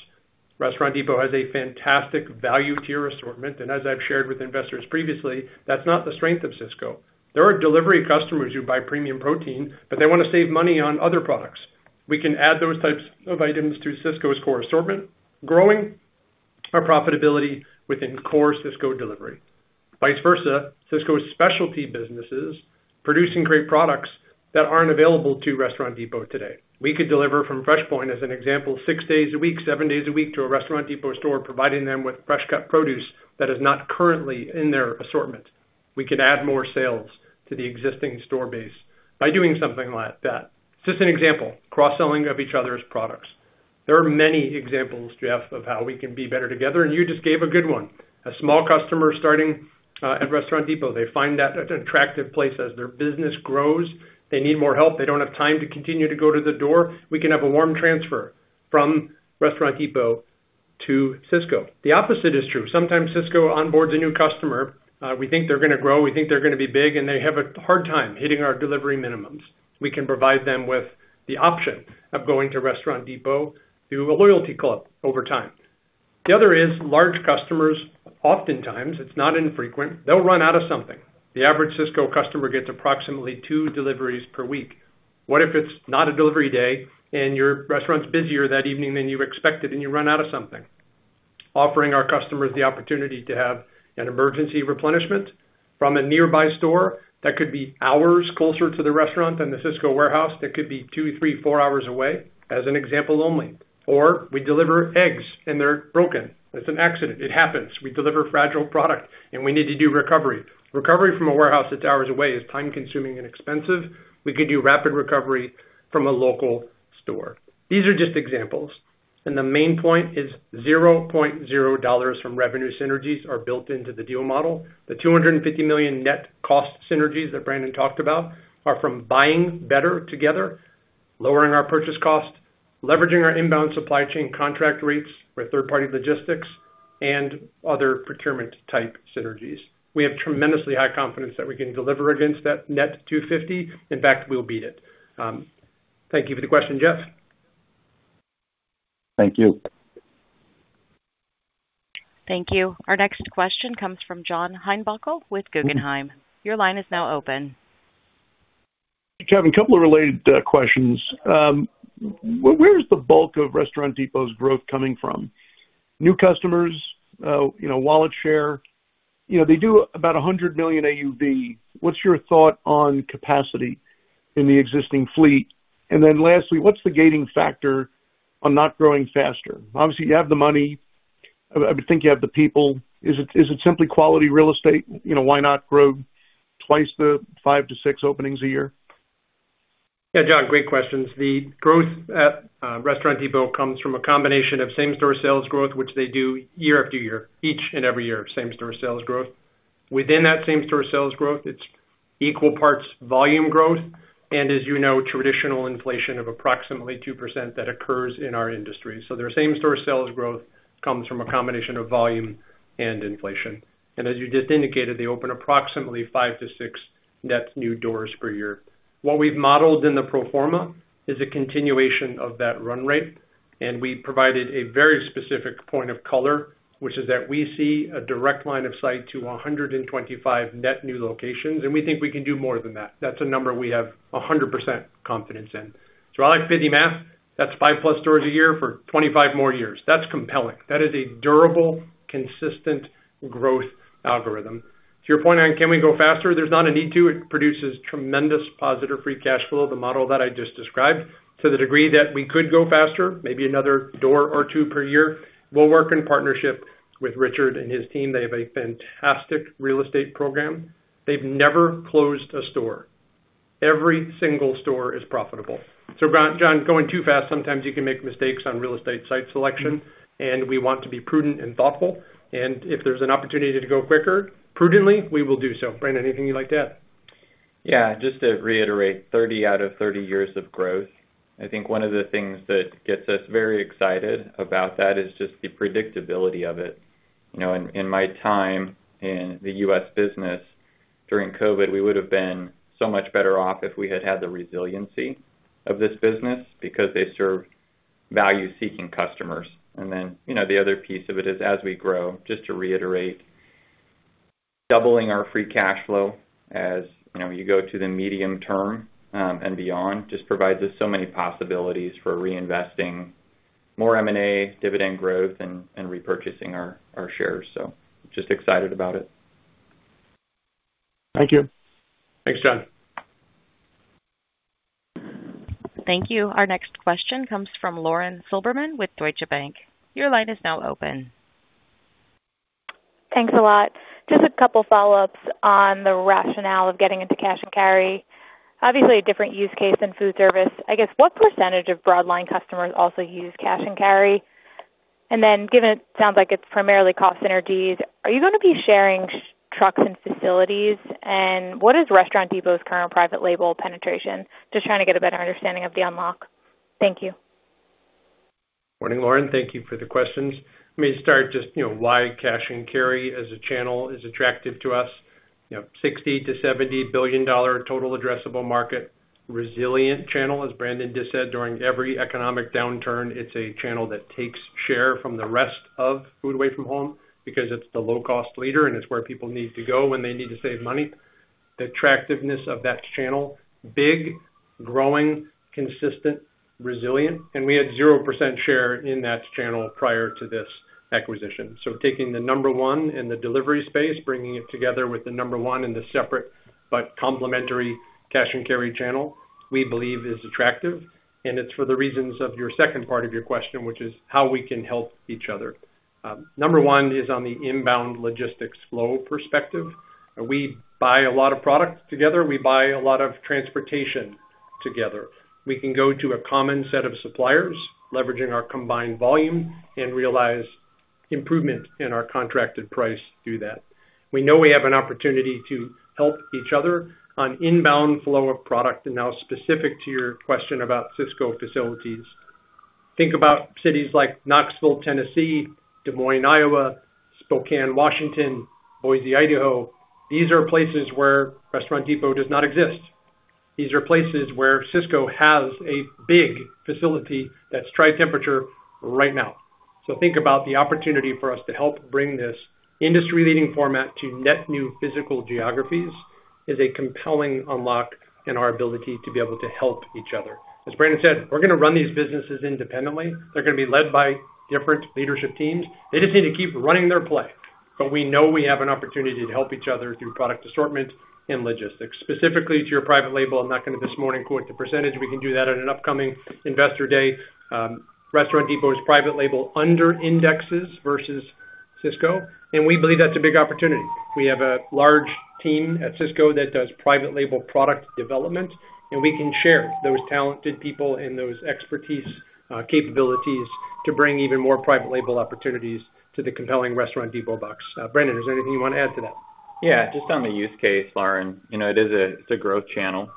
Restaurant Depot has a fantastic value tier assortment, and as I've shared with investors previously, that's not the strength of Sysco. There are delivery customers who buy premium protein, but they wanna save money on other products. We can add those types of items to Sysco's core assortment, growing our profitability within core Sysco delivery. Vice versa, Sysco's specialty businesses producing great products that aren't available to Restaurant Depot today. We could deliver from FreshPoint, as an example, six days a week, seven days a week, to a Restaurant Depot store, providing them with fresh cut produce that is not currently in their assortment. We can add more sales to the existing store base by doing something like that. Just an example, cross-selling of each other's products. There are many examples, Jeff, of how we can be better together, and you just gave a good one. A small customer starting at Restaurant Depot, they find that an attractive place. As their business grows, they need more help. They don't have time to continue to go to the door. We can have a warm transfer from Restaurant Depot to Sysco. The opposite is true. Sometimes Sysco onboards a new customer, we think they're gonna grow, we think they're gonna be big, and they have a hard time hitting our delivery minimums. We can provide them with the option of going to Restaurant Depot through a loyalty club over time. The other is large customers, oftentimes, it's not infrequent, they'll run out of something. The average Sysco customer gets approximately two deliveries per week. What if it's not a delivery day and your restaurant's busier that evening than you expected and you run out of something? Offering our customers the opportunity to have an emergency replenishment from a nearby store that could be hours closer to the restaurant than the Sysco warehouse, that could be two, three, four hours away, as an example only. Or we deliver eggs and they're broken. It's an accident. It happens. We deliver fragile product, and we need to do recovery. Recovery from a warehouse that's hours away is time-consuming and expensive. We could do rapid recovery from a local store. These are just examples, and the main point is $0.0 from revenue synergies are built into the deal model. The $250 million net cost synergies that Brandon talked about are from buying better together, lowering our purchase cost, leveraging our inbound supply chain contract rates for third-party logistics and other procurement type synergies. We have tremendously high confidence that we can deliver against that net $250 million. In fact, we'll beat it. Thank you for the question, Jeff. Thank you. Thank you. Our next question comes from John Heinbockel with Guggenheim. Your line is now open. Kevin, a couple of related questions. Where is the bulk of Restaurant Depot's growth coming from? New customers, you know, wallet share? You know, they do about $100 million AUV. What's your thought on capacity in the existing fleet? Lastly, what's the gating factor on not growing faster? Obviously, you have the money. I would think you have the people. Is it simply quality real estate? You know, why not grow twice the five to six openings a year? Yeah, John, great questions. The growth at Restaurant Depot comes from a combination of same-store sales growth, which they do year-after-year, each and every year, same-store sales growth. Within that same-store sales growth, it's equal parts volume growth and, as you know, traditional inflation of approximately 2% that occurs in our industry. Their same-store sales growth comes from a combination of volume and inflation. As you just indicated, they open approximately five to six net new doors per year. What we've modeled in the pro forma is a continuation of that run rate, and we provided a very specific point of color, which is that we see a direct line of sight to 125 net new locations, and we think we can do more than that. That's a number we have 100% confidence in. I like basic math. That's 5+ stores a year for 25 more years. That's compelling. That is a durable, consistent growth algorithm. To your point on can we go faster? There's not a need to. It produces tremendous positive free cash flow, the model that I just described. To the degree that we could go faster, maybe another door or two per year, we'll work in partnership with Richard and his team. They have a fantastic real estate program. They've never closed a store. Every single store is profitable. So, John, going too fast, sometimes you can make mistakes on real estate site selection, and we want to be prudent and thoughtful. If there's an opportunity to go quicker, prudently, we will do so. Brandon, anything you'd like to add? Yeah. Just to reiterate, 30 out of 30 years of growth. I think one of the things that gets us very excited about that is just the predictability of it. You know, in my time in the U.S. business during COVID, we would've been so much better off if we had had the resiliency of this business because they serve value-seeking customers. You know, the other piece of it is, as we grow, just to reiterate, doubling our free cash flow as you go to the medium term and beyond just provides us so many possibilities for reinvesting more M&A, dividend growth, and repurchasing our shares. Just excited about it. Thank you. Thanks, John. Thank you. Our next question comes from Lauren Silberman with Deutsche Bank. Your line is now open. Thanks a lot. Just a couple follow-ups on the rationale of getting into cash and carry. Obviously, a different use case in foodservice. I guess, what percentage of Broadline customers also use cash and carry? And then given it sounds like it's primarily cost synergies, are you gonna be sharing trucks and facilities? And what is Restaurant Depot's current private label penetration? Just trying to get a better understanding of the unlock. Thank you. Morning, Lauren. Thank you for the questions. Let me start just, you know, why cash and carry as a channel is attractive to us. You know, $60 billion-$70 billion total addressable market. Resilient channel, as Brandon just said, during every economic downturn, it's a channel that takes share from the rest of food away from home because it's the low cost leader, and it's where people need to go when they need to save money. The attractiveness of that channel, big, growing, consistent, resilient, and we had 0% share in that channel prior to this acquisition. Taking the number one in the delivery space, bringing it together with the number one in the separate but complementary cash and carry channel, we believe is attractive, and it's for the reasons of your second part of your question, which is how we can help each other. Number one is on the inbound logistics flow perspective. We buy a lot of product together. We buy a lot of transportation together. We can go to a common set of suppliers, leveraging our combined volume and realize improvement in our contracted price through that. We know we have an opportunity to help each other on inbound flow of product. Now specific to your question about Sysco facilities, think about cities like Knoxville, Tennessee, Des Moines, Iowa, Spokane, Washington, Boise, Idaho. These are places where Restaurant Depot does not exist. These are places where Sysco has a big facility that's tri-temperature right now. Think about the opportunity for us to help bring this industry leading format to net new physical geographies is a compelling unlock in our ability to be able to help each other. As Brandon said, we're gonna run these businesses independently. They're gonna be led by different leadership teams. They just need to keep running their play. We know we have an opportunity to help each other through product assortment and logistics. Specifically to your private label, I'm not gonna this morning quote the percentage. We can do that at an upcoming Investor Day. Restaurant Depot's private label under indexes versus Sysco, and we believe that's a big opportunity. We have a large team at Sysco that does private label product development, and we can share those talented people and those expertise, capabilities to bring even more private label opportunities to the compelling Restaurant Depot box. Brandon, is there anything you want to add to that? Yeah, just on the use case, Lauren, you know, it is a growth channel,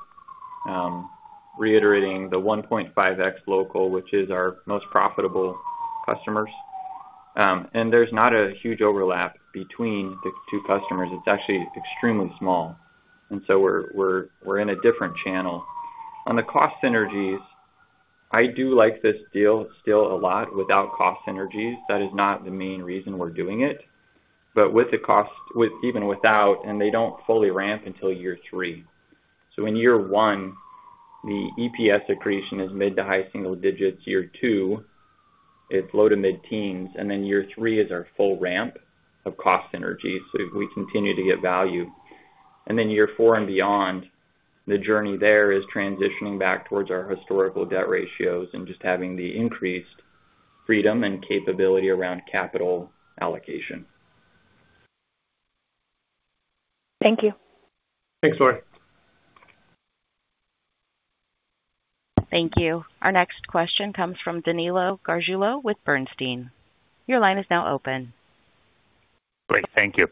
reiterating the 1.5x local, which is our most profitable customers. There's not a huge overlap between the two customers. It's actually extremely small. We're in a different channel. On the cost synergies, I do like this deal still a lot without cost synergies. That is not the main reason we're doing it. But with even without, and they don't fully ramp until year three. In year one, the EPS accretion is mid- to high-single digits. Year two, it's low- to mid-teens. Year three is our full ramp of cost synergies. We continue to get value. Year four and beyond, the journey there is transitioning back towards our historical debt ratios and just having the increased freedom and capability around capital allocation. Thank you. Thanks, Lauren. Thank you. Our next question comes from Danilo Gargiulo with Bernstein. Your line is now open. Great. Thank you.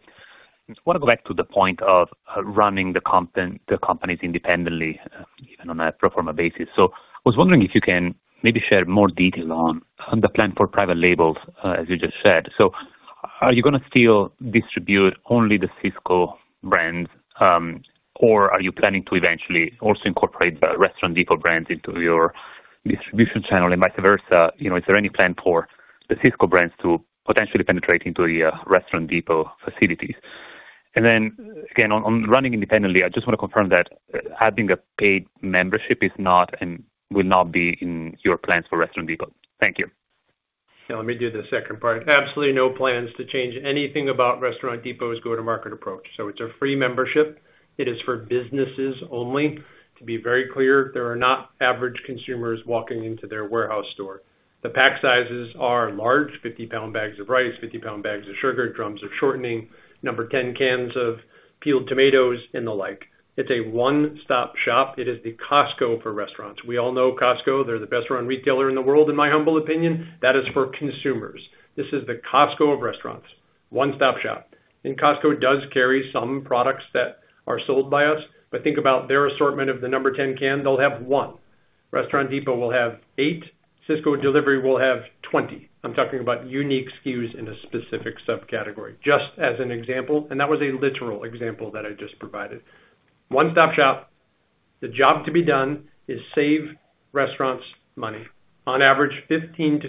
Just wanna go back to the point of running the companies independently, even on a pro forma basis. I was wondering if you can maybe share more detail on the plan for private labels, as you just said. Are you gonna still distribute only the Sysco brands, or are you planning to eventually also incorporate the Restaurant Depot brands into your distribution channel and vice versa? You know, is there any plan for the Sysco brands to potentially penetrate into the Restaurant Depot facilities? And then again, on running independently, I just want to confirm that having a paid membership is not and will not be in your plans for Restaurant Depot. Thank you. Let me do the second part. Absolutely no plans to change anything about Restaurant Depot's go-to-market approach. It's a free membership. It is for businesses only. To be very clear, there are not average consumers walking into their warehouse store. The pack sizes are large, 50 lb bags of rice, 50 lb bags of sugar, drums of shortening, number 10 cans of peeled tomatoes and the like. It's a one-stop shop. It is the Costco for restaurants. We all know Costco. They're the best run retailer in the world, in my humble opinion. That is for consumers. This is the Costco of restaurants, one-stop shop. Costco does carry some products that are sold by us. Think about their assortment of the number 10 can, they'll have one. Restaurant Depot will have eight. Sysco delivery will have 20. I'm talking about unique SKUs in a specific subcategory. Just as an example, and that was a literal example that I just provided. One-stop shop. The job to be done is save restaurants money on average 15%-20%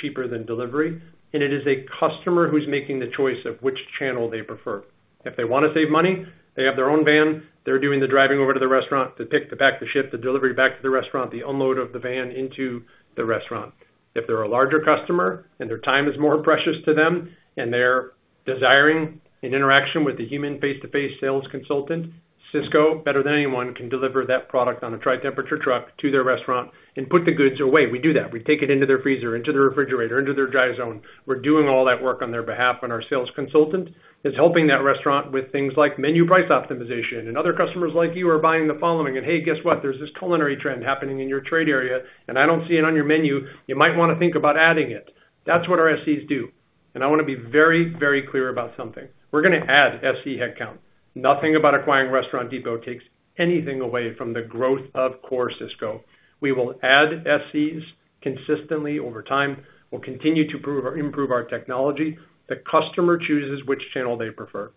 cheaper than delivery. It is a customer who's making the choice of which channel they prefer. If they wanna save money, they have their own van. They're doing the driving over to the restaurant to pick the pack, to ship the delivery back to the restaurant, the unload of the van into the restaurant. If they're a larger customer and their time is more precious to them and they're desiring an interaction with the human face-to-face sales consultant, Sysco, better than anyone, can deliver that product on a tri-temperature truck to their restaurant and put the goods away. We do that. We take it into their freezer, into their refrigerator, into their dry zone. We're doing all that work on their behalf, and our sales consultant is helping that restaurant with things like menu price optimization and other customers like you are buying the following. Hey, guess what? There's this culinary trend happening in your trade area, and I don't see it on your menu. You might want to think about adding it. That's what our SCs do. I want to be very, very clear about something. We're gonna add SC headcount. Nothing about acquiring Restaurant Depot takes anything away from the growth of core Sysco. We will add SCs consistently over time. We'll continue to improve our technology. The customer chooses which channel they prefer.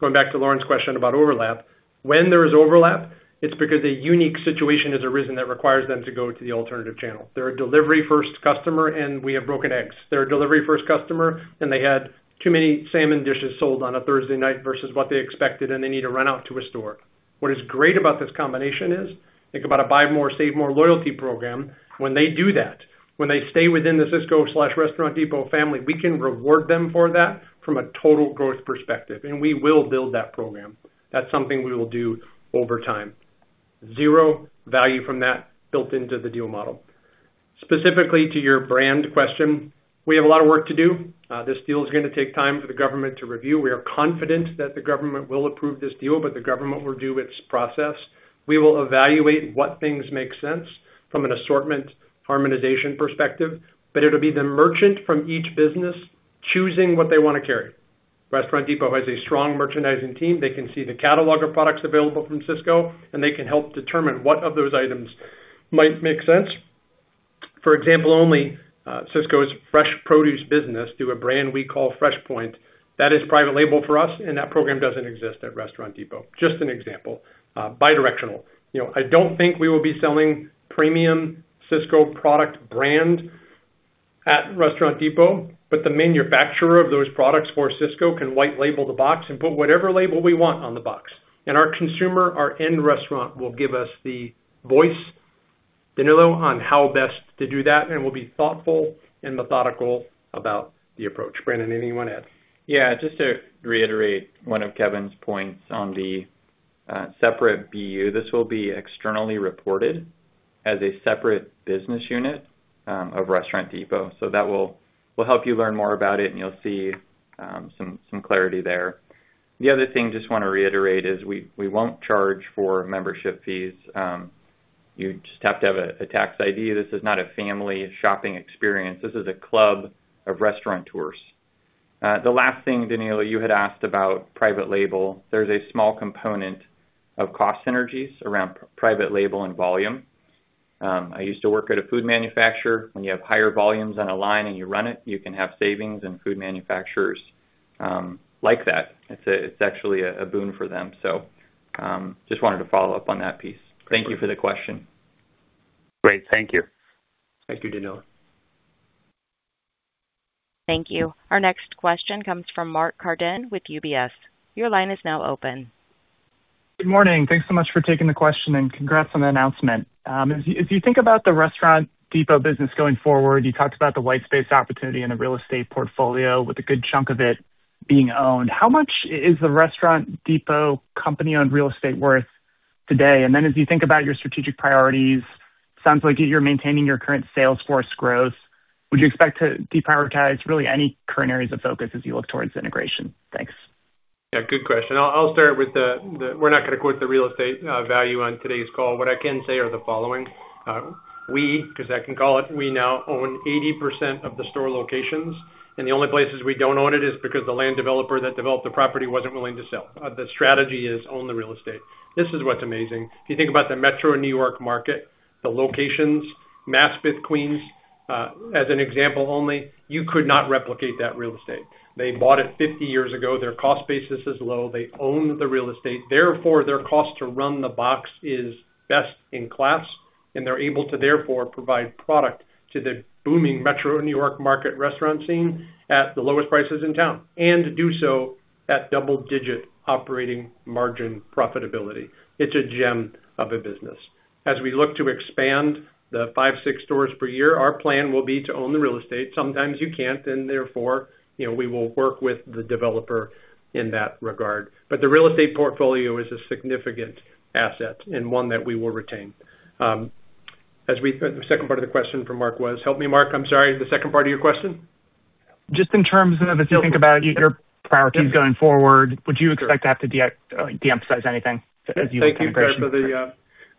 Going back to Lauren's question about overlap. When there is overlap, it's because a unique situation has arisen that requires them to go to the alternative channel. They're a delivery first customer and we have broken eggs. They're a delivery first customer, and they had too many salmon dishes sold on a Thursday night versus what they expected, and they need to run out to a store. What is great about this combination is, think about a buy more, save more loyalty program. When they do that, when they stay within the Sysco/Restaurant Depot family, we can reward them for that from a total growth perspective, and we will build that program. That's something we will do over time. Zero value from that built into the deal model. Specifically to your brand question, we have a lot of work to do. This deal is gonna take time for the government to review. We are confident that the government will approve this deal, but the government will do its process. We will evaluate what things make sense from an assortment harmonization perspective, but it'll be the merchant from each business choosing what they wanna carry. Restaurant Depot has a strong merchandising team. They can see the catalog of products available from Sysco, and they can help determine what of those items might make sense. For example, only Sysco's fresh produce business through a brand we call FreshPoint. That is private label for us, and that program doesn't exist at Restaurant Depot. Just an example, bi-directional. You know, I don't think we will be selling premium Sysco product brand at Restaurant Depot, but the manufacturer of those products for Sysco can white label the box and put whatever label we want on the box. Our consumer, our end restaurant, will give us the voice, Danilo, on how best to do that, and we'll be thoughtful and methodical about the approach. Brandon, anything you wanna add? Yeah, just to reiterate one of Kevin's points on the separate BU. This will be externally reported as a separate business unit of Restaurant Depot. That will help you learn more about it and you'll see some clarity there. The other thing I just wanna reiterate is we won't charge for membership fees. You just have to have a tax ID. This is not a family shopping experience. This is a club of restaurateurs. The last thing, Danilo, you had asked about private label. There's a small component of cost synergies around private label and volume. I used to work at a food manufacturer. When you have higher volumes on a line and you run it, you can have savings, and food manufacturers like that. It's actually a boon for them. Just wanted to follow up on that piece. Thank you for the question. Great. Thank you. Thank you, Danilo. Thank you. Our next question comes from Mark Carden with UBS. Your line is now open. Good morning. Thanks so much for taking the question, and congrats on the announcement. If you think about the Restaurant Depot business going forward, you talked about the white space opportunity in the real estate portfolio with a good chunk of it being owned. How much is the Restaurant Depot company on real estate worth today? As you think about your strategic priorities, sounds like you're maintaining your current sales force growth. Would you expect to deprioritize really any current areas of focus as you look towards integration? Thanks. Yeah, good question. I'll start with we're not gonna quote the real estate value on today's call. What I can say are the following. We, 'cause I can call it, we now own 80% of the store locations, and the only places we don't own it is because the land developer that developed the property wasn't willing to sell. The strategy is own the real estate. This is what's amazing. If you think about the metro New York market, the locations, Maspeth, Queens, as an example only, you could not replicate that real estate. They bought it 50 years ago. Their cost basis is low. They own the real estate. Therefore, their cost to run the box is best in class, and they're able to therefore provide product to the booming metro New York market restaurant scene at the lowest prices in town, and do so at double-digit operating margin profitability. It's a gem of a business. As we look to expand the five, six stores per year, our plan will be to own the real estate. Sometimes you can't, and therefore, you know, we will work with the developer in that regard. But the real estate portfolio is a significant asset and one that we will retain. The second part of the question from Mark was? Help me, Mark. I'm sorry, the second part of your question. Just in terms of, as you think about your priorities going forward, would you expect to have to de-emphasize anything as you? Thank you.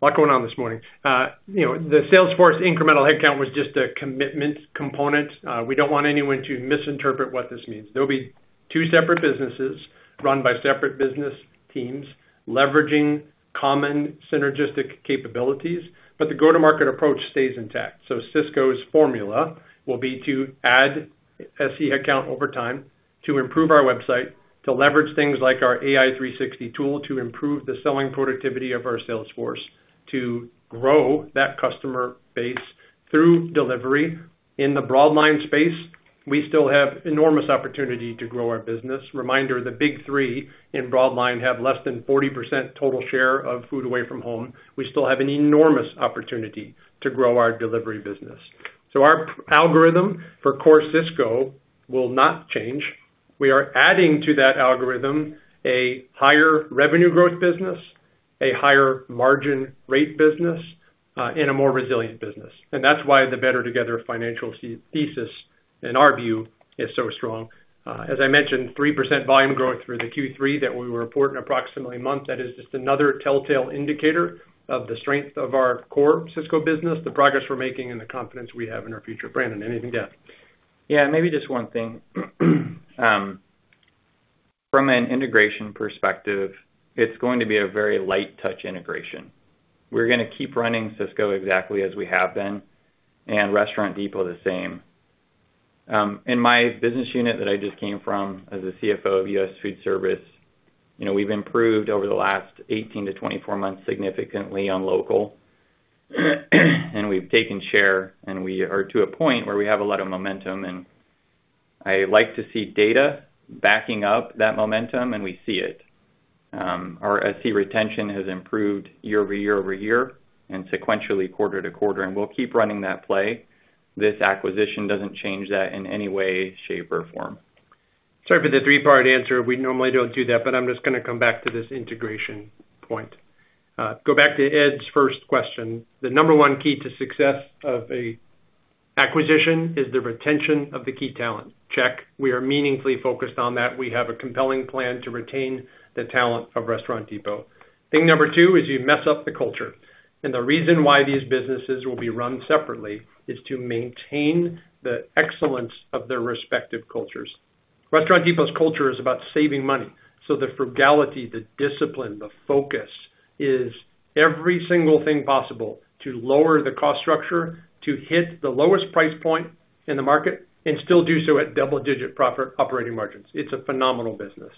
A lot going on this morning. You know, the sales force incremental headcount was just a commitment component. We don't want anyone to misinterpret what this means. There'll be two separate businesses run by separate business teams leveraging common synergistic capabilities, but the go-to-market approach stays intact. Sysco's formula will be to add SC headcount over time, to improve our website, to leverage things like our AI360 tool to improve the selling productivity of our sales force, to grow that customer base through delivery. In the broad line space, we still have enormous opportunity to grow our business. Reminder, the big three in broad line have less than 40% total share of food away from home. We still have an enormous opportunity to grow our delivery business. Our algorithm for core Sysco will not change. We are adding to that algorithm a higher revenue growth business, a higher margin rate business, and a more resilient business. That's why the better together financial thesis in our view is so strong. As I mentioned, 3% volume growth through the Q3 that we report in approximately a month, that is just another telltale indicator of the strength of our core Sysco business, the progress we're making, and the confidence we have in our future. Brandon, anything to add? Yeah, maybe just one thing. From an integration perspective, it's going to be a very light touch integration. We're gonna keep running Sysco exactly as we have been and Restaurant Depot the same. In my business unit that I just came from as a CFO of U.S. Foodservice, you know, we've improved over the last 18-24 months significantly on local, and we've taken share, and we are at a point where we have a lot of momentum, and I like to see data backing up that momentum, and we see it. Our SC retention has improved year-over-year-over-year and sequentially quarter-to-quarter, and we'll keep running that play. This acquisition doesn't change that in any way, shape, or form. Sorry for the three-part answer. We normally don't do that, but I'm just gonna come back to this integration point. Go back to Ed's first question. The number one key to success of a acquisition is the retention of the key talent. Check. We are meaningfully focused on that. We have a compelling plan to retain the talent of Restaurant Depot. Thing number two is you mess up the culture. The reason why these businesses will be run separately is to maintain the excellence of their respective cultures. Restaurant Depot's culture is about saving money. The frugality, the discipline, the focus is every single thing possible to lower the cost structure, to hit the lowest price point in the market and still do so at double-digit profit operating margins. It's a phenomenal business.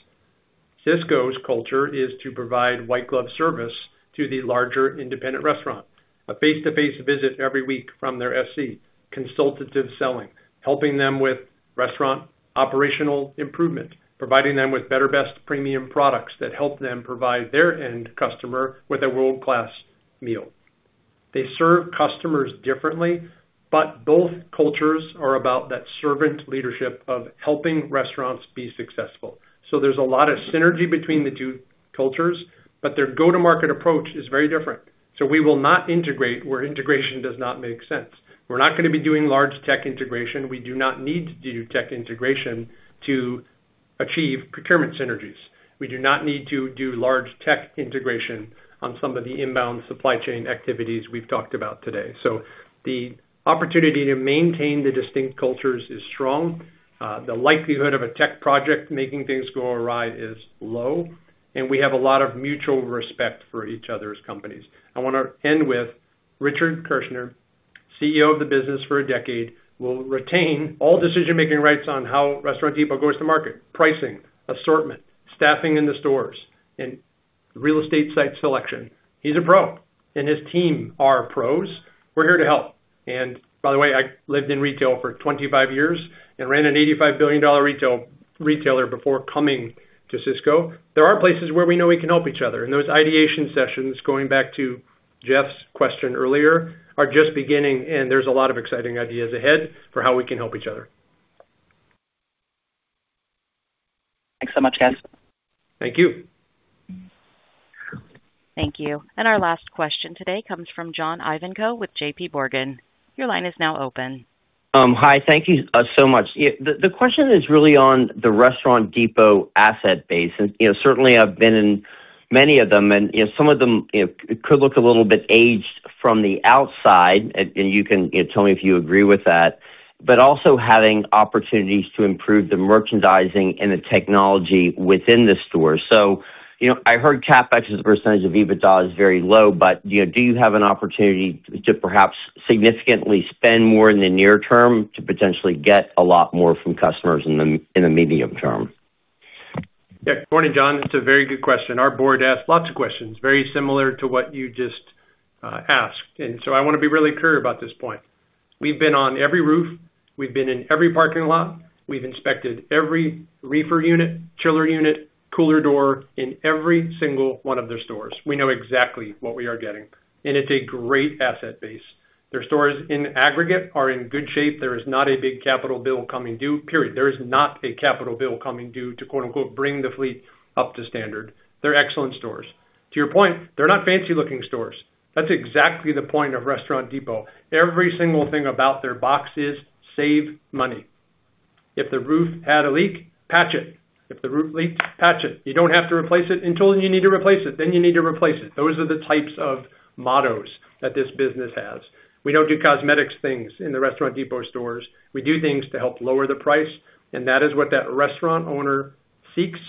Sysco's culture is to provide white glove service to the larger independent restaurant. A face-to-face visit every week from their SC consultative selling, helping them with restaurant operational improvement, providing them with better, best premium products that help them provide their end customer with a world-class meal. They serve customers differently, but both cultures are about that servant leadership of helping restaurants be successful. There's a lot of synergy between the two cultures, but their go-to-market approach is very different. We will not integrate where integration does not make sense. We're not gonna be doing large tech integration. We do not need to do tech integration to achieve procurement synergies. We do not need to do large tech integration on some of the inbound supply chain activities we've talked about today. The opportunity to maintain the distinct cultures is strong. The likelihood of a tech project making things go awry is low, and we have a lot of mutual respect for each other's companies. I wanna end with Richard Kirschner, CEO of the business for a decade, will retain all decision-making rights on how Restaurant Depot goes to market. Pricing, assortment, staffing in the stores, and real estate site selection. He's a pro and his team are pros. We're here to help. By the way, I lived in retail for 25 years and ran an $85 billion retailer before coming to Sysco. There are places where we know we can help each other, and those ideation sessions, going back to Jeff's question earlier, are just beginning, and there's a lot of exciting ideas ahead for how we can help each other. Thanks so much, guys. Thank you. Thank you. Our last question today comes from John Ivankoe with JPMorgan. Your line is now open. Hi. Thank you so much. The question is really on the Restaurant Depot asset base. You know, certainly I've been in many of them, and, you know, some of them, you know, could look a little bit aged from the outside. You can tell me if you agree with that, but also having opportunities to improve the merchandising and the technology within the store. You know, I heard CapEx as a percentage of EBITDA is very low, but, you know, do you have an opportunity to perhaps significantly spend more in the near term to potentially get a lot more from customers in the medium term? Yeah. Good morning, John. That's a very good question. Our board asked lots of questions very similar to what you just asked, and so I wanna be really clear about this point. We've been on every roof. We've been in every parking lot. We've inspected every reefer unit, chiller unit, cooler door in every single one of their stores. We know exactly what we are getting, and it's a great asset base. Their stores in aggregate are in good shape. There is not a big capital bill coming due, period. There is not a capital bill coming due to quote, unquote, "bring the fleet up to standard." They're excellent stores. To your point, they're not fancy looking stores. That's exactly the point of Restaurant Depot. Every single thing about their box is to save money. If the roof had a leak, patch it. If the roof leaks, patch it. You don't have to replace it until you need to replace it, then you need to replace it. Those are the types of mottos that this business has. We don't do cosmetics things in the Restaurant Depot stores. We do things to help lower the price, and that is what that restaurant owner seeks,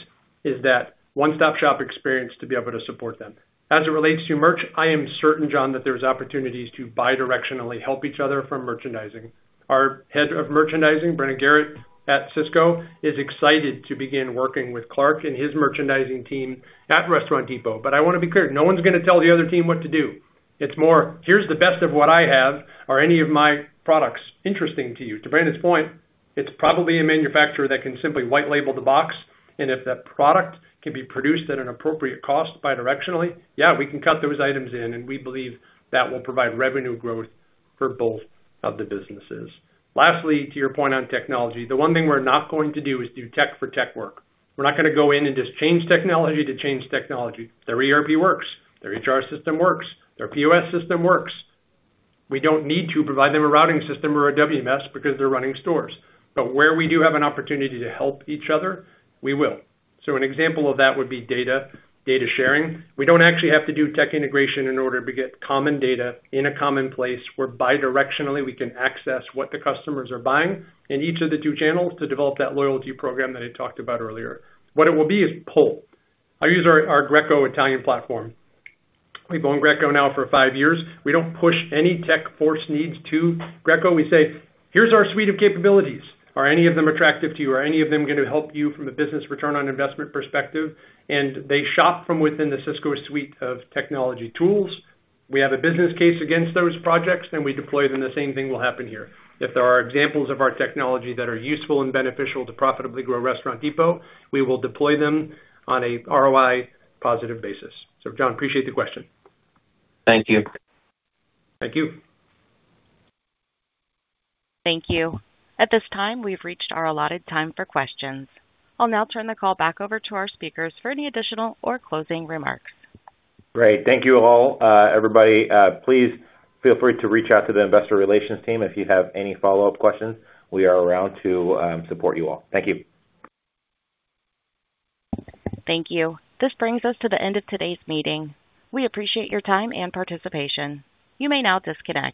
is that one-stop shop experience to be able to support them. As it relates to merch, I am certain, John, that there's opportunities to bi-directionally help each other from merchandising. Our head of merchandising, Brenna Garrett at Sysco, is excited to begin working with Clark and his merchandising team at Restaurant Depot. I wanna be clear, no one's gonna tell the other team what to do. It's more, here's the best of what I have. Are any of my products interesting to you? To Brandon's point, it's probably a manufacturer that can simply white label the box and if that product can be produced at an appropriate cost bi-directionally, yeah, we can cut those items in, and we believe that will provide revenue growth for both of the businesses. Lastly, to your point on technology, the one thing we're not going to do is do tech for tech work. We're not gonna go in and just change technology to change technology. Their ERP works, their HR system works, their POS system works. We don't need to provide them a routing system or a WMS because they're running stores. But where we do have an opportunity to help each other, we will. An example of that would be data sharing. We don't actually have to do tech integration in order to get common data in a common place where bi-directionally we can access what the customers are buying in each of the two channels to develop that loyalty program that I talked about earlier. What it will be is pull. I use our Greco Italian platform. We've owned Greco now for five years. We don't push any tech or force needs to Greco. We say, "Here's our suite of capabilities. Are any of them attractive to you? Are any of them gonna help you from a business return on investment perspective?" They shop from within the Sysco suite of technology tools. We have a business case for those projects, then we deploy them. The same thing will happen here. If there are examples of our technology that are useful and beneficial to profitably grow Restaurant Depot, we will deploy them on a ROI positive basis. John, I appreciate the question. Thank you. Thank you. Thank you. At this time, we've reached our allotted time for questions. I'll now turn the call back over to our speakers for any additional or closing remarks. Great. Thank you all. Everybody, please feel free to reach out to the Investor Relations team if you have any follow-up questions. We are around to support you all. Thank you. Thank you. This brings us to the end of today's meeting. We appreciate your time and participation. You may now disconnect.